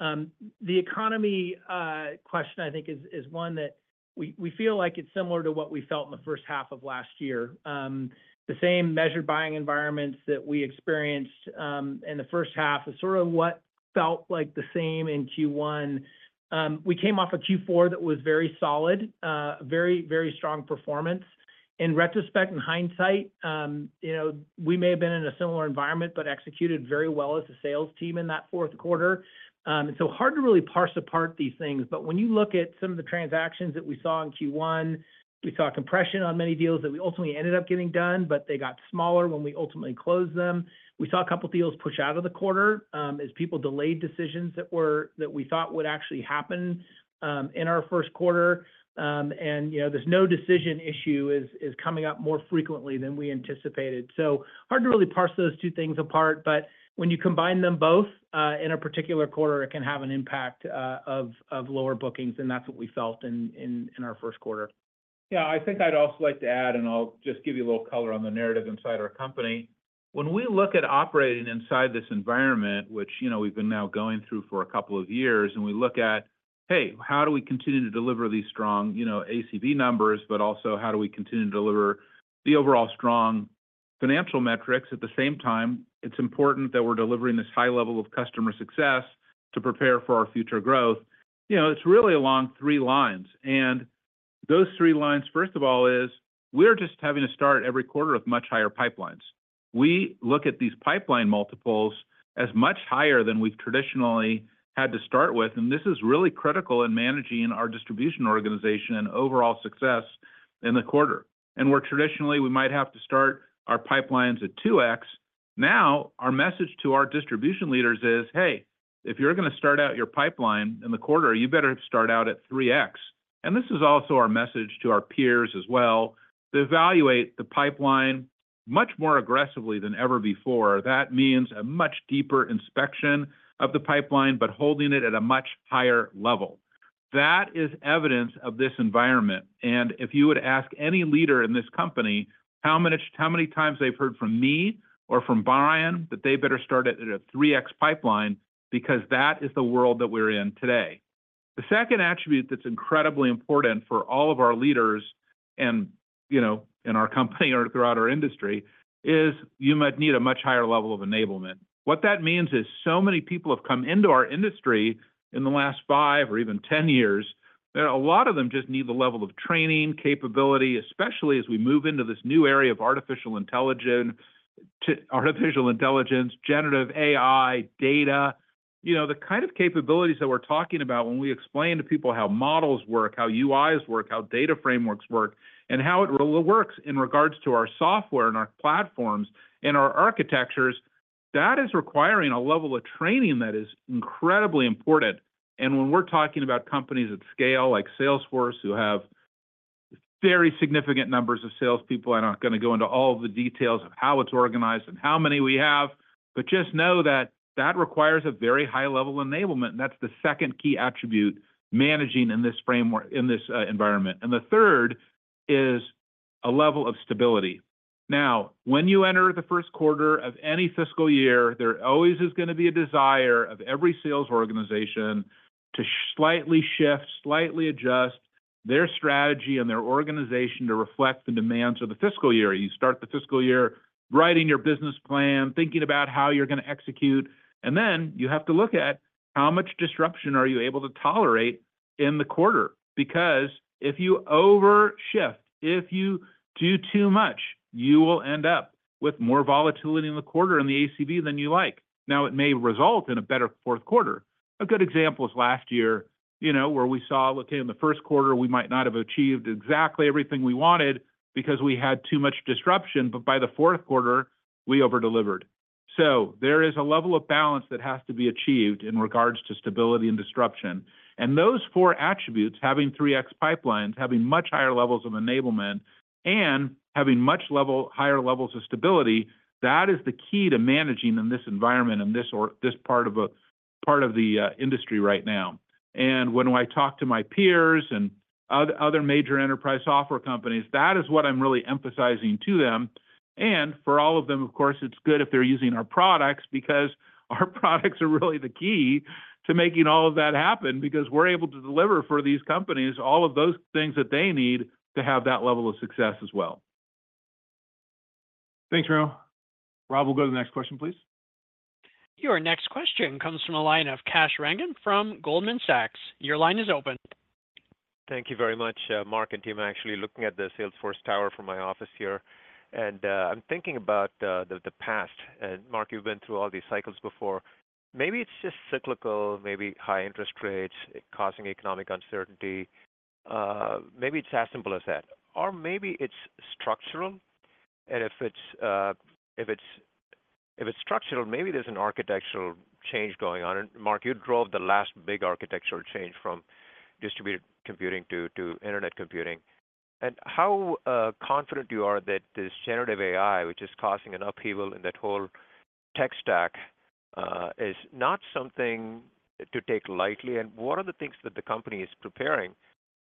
The economy question, I think, is one that we feel like it's similar to what we felt in the first half of last year. The same measured buying environments that we experienced in the first half is sort of what felt like the same in Q1. We came off a Q4 that was very solid, very, very strong performance. In retrospect, in hindsight, you know, we may have been in a similar environment, but executed very well as a sales team in that fourth quarter. So hard to really parse apart these things, but when you look at some of the transactions that we saw in Q1, we saw compression on many deals that we ultimately ended up getting done, but they got smaller when we ultimately closed them. We saw a couple deals push out of the quarter, as people delayed decisions that we thought would actually happen, in our first quarter. And, you know, this no decision issue is, is coming up more frequently than we anticipated. So hard to really parse those two things apart, but when you combine them both, in a particular quarter, it can have an impact, of, of lower bookings, and that's what we felt in, in, in our first quarter. Yeah, I think I'd also like to add, and I'll just give you a little color on the narrative inside our company. When we look at operating inside this environment, which, you know, we've been now going through for a couple of years, and we look at, hey, how do we continue to deliver these strong, you know, ACV numbers, but also, how do we continue to deliver the overall strong financial metrics? At the same time, it's important that we're delivering this high level of customer success to prepare for our future growth. You know, it's really along three lines, and those three lines, first of all, is, we're just having to start every quarter with much higher pipelines. We look at these pipeline multiples as much higher than we've traditionally had to start with, and this is really critical in managing our distribution organization and overall success in the quarter. Where traditionally we might have to start our pipelines at 2x, now, our message to our distribution leaders is, "Hey, if you're gonna start out your pipeline in the quarter, you better start out at 3x." This is also our message to our peers as well, to evaluate the pipeline much more aggressively than ever before. That means a much deeper inspection of the pipeline, but holding it at a much higher level. That is evidence of this environment, and if you were to ask any leader in this company how many, how many times they've heard from me or from Brian, that they better start it at a 3x pipeline, because that is the world that we're in today. The second attribute that's incredibly important for all of our leaders and, you know, in our company or throughout our industry, is you might need a much higher level of enablement. What that means is, so many people have come into our industry in the last five or even 10 years, that a lot of them just need the level of training, capability, especially as we move into this new area of artificial intelligence to artificial intelligence, generative AI, data. You know, the kind of capabilities that we're talking about when we explain to people how models work, how UIs work, how data frameworks work, and how it works in regards to our software and our platforms and our architectures, that is requiring a level of training that is incredibly important. And when we're talking about companies at scale, like Salesforce, who have very significant numbers of salespeople, I'm not gonna go into all the details of how it's organized and how many we have, but just know that that requires a very high-level enablement, and that's the second key attribute managing in this framework, in this environment. And the third is a level of stability. Now, when you enter the first quarter of any fiscal year, there always is gonna be a desire of every sales organization to slightly shift, slightly adjust their strategy and their organization to reflect the demands of the fiscal year. You start the fiscal year writing your business plan, thinking about how you're gonna execute, and then you have to look at how much disruption are you able to tolerate in the quarter. Because if you overshift, if you do too much, you will end up with more volatility in the quarter in the ACV than you like. Now, it may result in a better fourth quarter. A good example is last year, you know, where we saw, okay, in the first quarter, we might not have achieved exactly everything we wanted because we had too much disruption, but by the fourth quarter, we over-delivered. So there is a level of balance that has to be achieved in regards to stability and disruption. And those four attributes, having three X pipelines, having much higher levels of enablement, and having higher levels of stability, that is the key to managing in this environment and this part of the industry right now. And when I talk to my peers and other major enterprise software companies, that is what I'm really emphasizing to them. And for all of them, of course, it's good if they're using our products, because our products are really the key to making all of that happen, because we're able to deliver for these companies, all of those things that they need to have that level of success as well. Thanks, Rob. Rob, we'll go to the next question, please. Your next question comes from the line of Kash Rangan from Goldman Sachs. Your line is open. Thank you very much, Marc and team. I'm actually looking at the Salesforce Tower from my office here, and I'm thinking about the past. And Marc, you've been through all these cycles before. Maybe it's just cyclical, maybe high interest rates causing economic uncertainty, maybe it's as simple as that, or maybe it's structural. And if it's structural, maybe there's an architectural change going on. And Marc, you drove the last big architectural change from distributed computing to internet computing. And how confident you are that this generative AI, which is causing an upheaval in that whole tech stack, is not something to take lightly? And what are the things that the company is preparing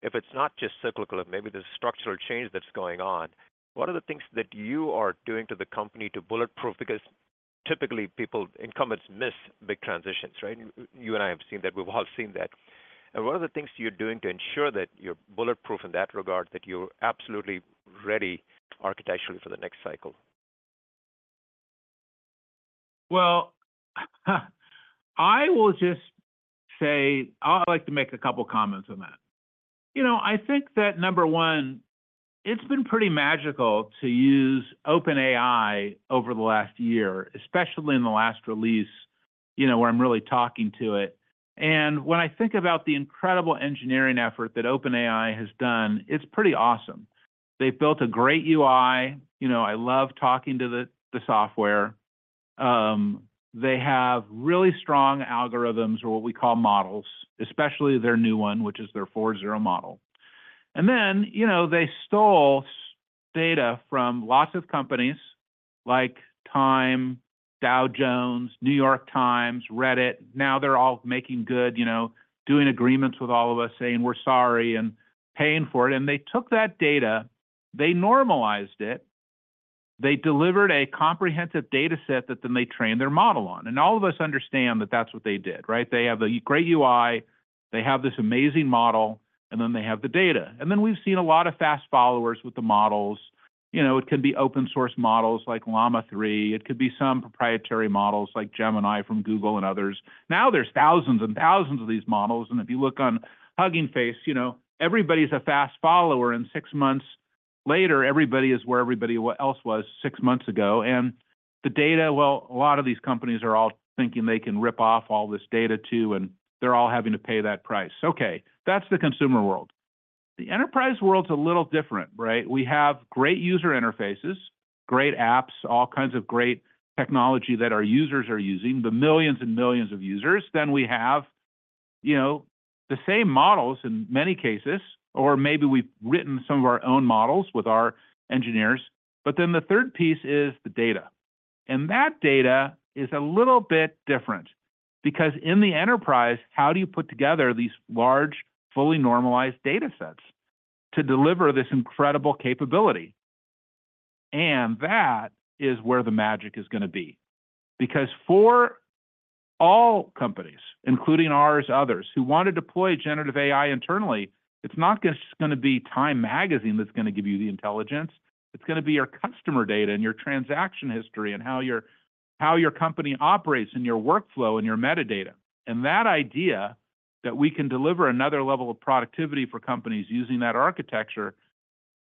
if it's not just cyclical, and maybe there's structural change that's going on? What are the things that you are doing to the company to bulletproof? Because typically, people, incumbents miss big transitions, right? You and I have seen that. We've all seen that. And what are the things you're doing to ensure that you're bulletproof in that regard, that you're absolutely ready architecturally for the next cycle? Well, I will just say... I would like to make a couple comments on that. You know, I think that, number one, it's been pretty magical to use OpenAI over the last year, especially in the last release, you know, where I'm really talking to it. And when I think about the incredible engineering effort that OpenAI has done, it's pretty awesome. They've built a great UI. You know, I love talking to the, the software. They have really strong algorithms or what we call models, especially their new one, which is their 4o model. And then, you know, they stole data from lots of companies like Time, Dow Jones, New York Times, Reddit. Now they're all making good, you know, doing agreements with all of us, saying, "We're sorry," and paying for it. And they took that data, they normalized it, they delivered a comprehensive data set that then they trained their model on. And all of us understand that that's what they did, right? They have a great UI, they have this amazing model, and then they have the data. And then we've seen a lot of fast followers with the models. You know, it could be open source models like Llama 3, it could be some proprietary models like Gemini from Google and others. Now, there's thousands and thousands of these models, and if you look on Hugging Face, you know, everybody's a fast follower, and six months later, everybody is where everybody else was six months ago. And the data, well, a lot of these companies are all thinking they can rip off all this data, too, and they're all having to pay that price. Okay, that's the consumer world. The enterprise world's a little different, right? We have great user interfaces, great apps, all kinds of great technology that our users are using, the millions and millions of users. Then we have, you know, the same models in many cases, or maybe we've written some of our own models with our engineers. But then the third piece is the data, and that data is a little bit different, because in the enterprise, how do you put together these large, fully normalized data sets to deliver this incredible capability? And that is where the magic is gonna be. Because for all companies, including ours, others, who want to deploy generative AI internally, it's not just gonna be Time Magazine that's gonna give you the intelligence. It's gonna be your customer data and your transaction history and how your, how your company operates, and your workflow, and your metadata. And that idea that we can deliver another level of productivity for companies using that architecture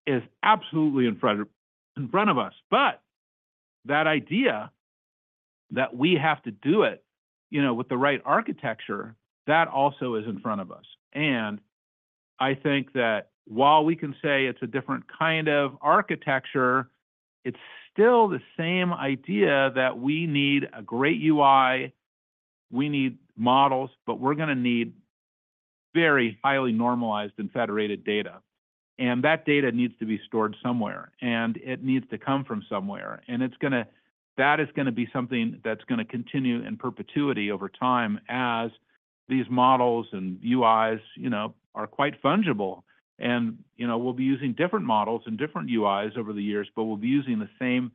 is absolutely in front of, in front of us. But that idea that we have to do it, you know, with the right architecture, that also is in front of us. And I think that while we can say it's a different kind of architecture, it's still the same idea that we need a great UI, we need models, but we're gonna need very highly normalized and federated data. And that data needs to be stored somewhere, and it needs to come from somewhere. And it's gonna, that is gonna be something that's gonna continue in perpetuity over time as these models and UIs, you know, are quite fungible. You know, we'll be using different models and different UIs over the years, but we'll be using the same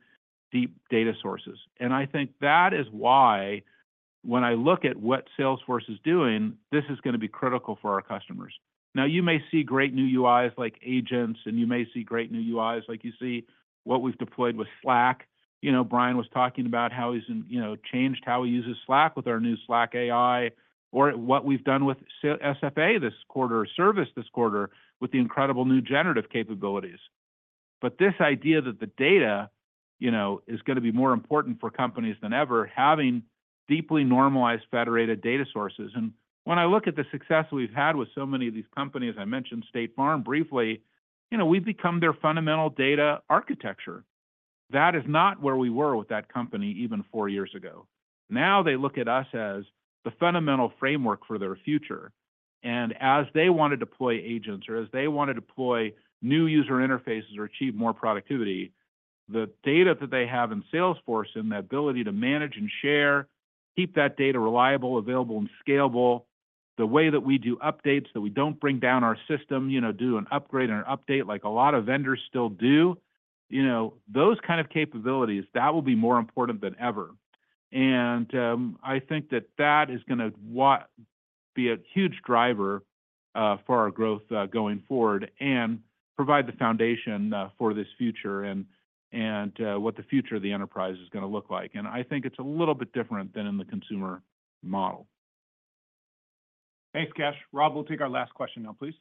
deep data sources. I think that is why when I look at what Salesforce is doing, this is gonna be critical for our customers. Now, you may see great new UIs like agents, and you may see great new UIs, like you see what we've deployed with Slack. You know, Brian was talking about how he's, you know, changed how he uses Slack with our new Slack AI or what we've done with SFA this quarter or service this quarter with the incredible new generative capabilities. This idea that the data, you know, is gonna be more important for companies than ever, having deeply normalized, federated data sources. When I look at the success we've had with so many of these companies, I mentioned State Farm briefly, you know, we've become their fundamental data architecture. That is not where we were with that company even four years ago. Now, they look at us as the fundamental framework for their future, and as they want to deploy agents or as they want to deploy new user interfaces or achieve more productivity, the data that they have in Salesforce and the ability to manage and share, keep that data reliable, available, and scalable, the way that we do updates, that we don't bring down our system, you know, do an upgrade and an update like a lot of vendors still do, you know, those kind of capabilities, that will be more important than ever. And, I think that that is gonna be a huge driver for our growth going forward and provide the foundation for this future and, and, what the future of the enterprise is gonna look like. And I think it's a little bit different than in the consumer model. Thanks, Kash. Rob, we'll take our last question now, please.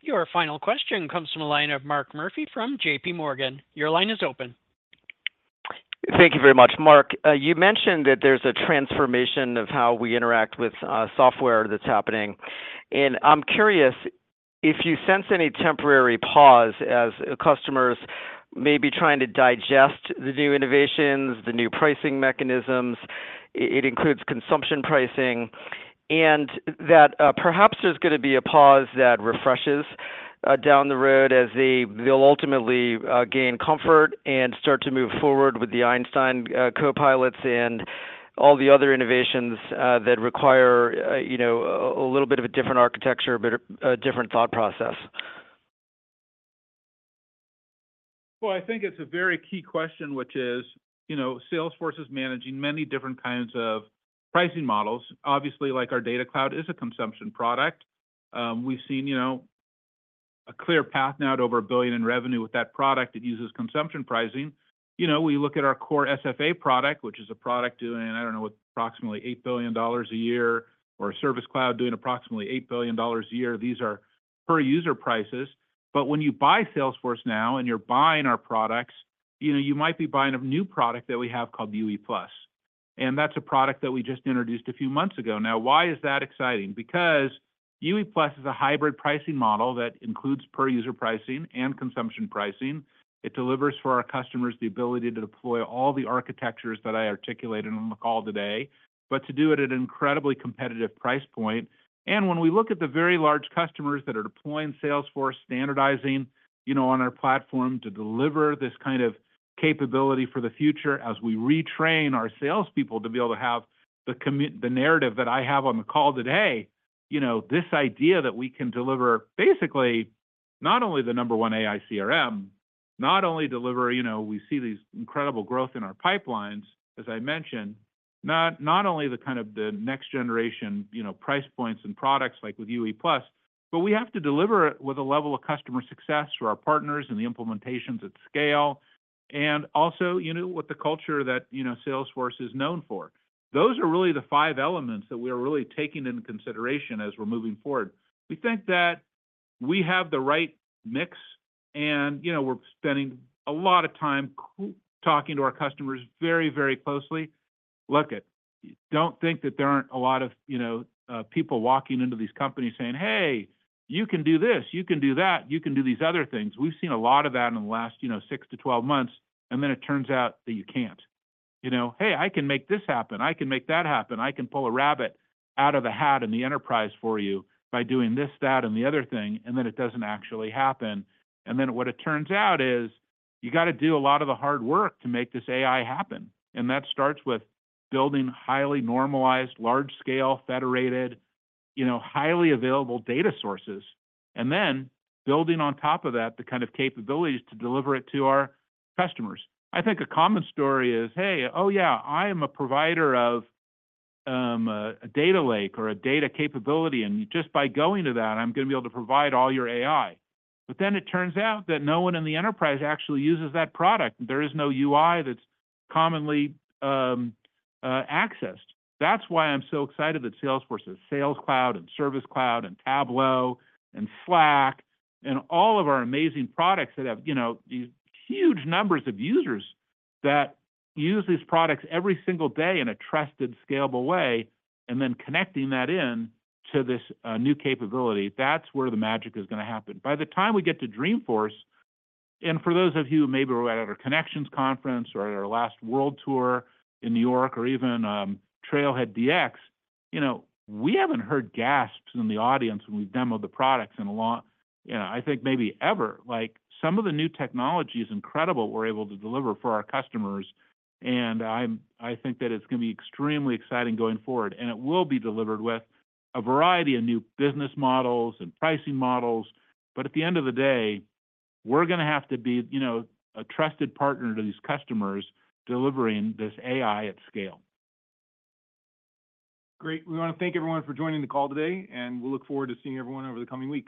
Your final question comes from the line of Mark Murphy from J.P. Morgan. Your line is open. Thank you very much. Mark, you mentioned that there's a transformation of how we interact with software that's happening, and I'm curious if you sense any temporary pause as customers may be trying to digest the new innovations, the new pricing mechanisms, it includes consumption pricing, and that perhaps there's gonna be a pause that refreshes down the road as they, they'll ultimately gain comfort and start to move forward with the Einstein Copilots and all the other innovations that require you know a little bit of a different architecture, but a different thought process. Well, I think it's a very key question, which is, you know, Salesforce is managing many different kinds of pricing models. Obviously, like our Data Cloud is a consumption product. We've seen, you know, a clear path now at over $1 billion in revenue with that product. It uses consumption pricing. You know, we look at our core SFA product, which is a product doing, I don't know, approximately $8 billion a year, or Service Cloud doing approximately $8 billion a year. These are per user prices. But when you buy Salesforce now and you're buying our products, you know, you might be buying a new product that we have called UE+, and that's a product that we just introduced a few months ago. Now, why is that exciting? Because UE+ is a hybrid pricing model that includes per user pricing and consumption pricing. It delivers for our customers the ability to deploy all the architectures that I articulated on the call today, but to do it at an incredibly competitive price point. When we look at the very large customers that are deploying Salesforce, standardizing, you know, on our platform to deliver this kind of capability for the future, as we retrain our salespeople to be able to have the commit... The narrative that I have on the call today, you know, this idea that we can deliver basically not only the number one AI CRM, not only deliver—you know, we see these incredible growth in our pipelines, as I mentioned, not, not only the kind of the next generation, you know, price points and products like with UE+, but we have to deliver it with a level of customer success for our partners and the implementations at scale, and also, you know, with the culture that, you know, Salesforce is known for. Those are really the five elements that we are really taking into consideration as we're moving forward. We think that we have the right mix, and, you know, we're spending a lot of time talking to our customers very, very closely. Look, I don't think that there aren't a lot of, you know, people walking into these companies saying, "Hey, you can do this, you can do that, you can do these other things." We've seen a lot of that in the last, you know, 6-12 months, and then it turns out that you can't.... you know, "Hey, I can make this happen. I can make that happen. I can pull a rabbit out of the hat in the enterprise for you by doing this, that, and the other thing," and then it doesn't actually happen. And then what it turns out is, you got to do a lot of the hard work to make this AI happen. That starts with building highly normalized, large scale, federated, you know, highly available data sources, and then building on top of that, the kind of capabilities to deliver it to our customers. I think a common story is: Hey, oh, yeah, I am a provider of a data lake or a data capability, and just by going to that, I'm going to be able to provide all your AI. But then it turns out that no one in the enterprise actually uses that product. There is no UI that's commonly accessed. That's why I'm so excited that Salesforce's Sales Cloud and Service Cloud and Tableau and Slack and all of our amazing products that have, you know, these huge numbers of users that use these products every single day in a trusted, scalable way, and then connecting that in to this new capability. That's where the magic is going to happen. By the time we get to Dreamforce, and for those of you who maybe were at our Connections conference or at our last World Tour in New York or even, TrailheadDX, you know, we haven't heard gasps in the audience when we've demoed the products in a long time, you know, I think maybe ever. Like, some of the new technology is incredible, we're able to deliver for our customers, and I think that it's going to be extremely exciting going forward, and it will be delivered with a variety of new business models and pricing models. But at the end of the day, we're going to have to be, you know, a trusted partner to these customers, delivering this AI at scale. Great! We want to thank everyone for joining the call today, and we look forward to seeing everyone over the coming weeks.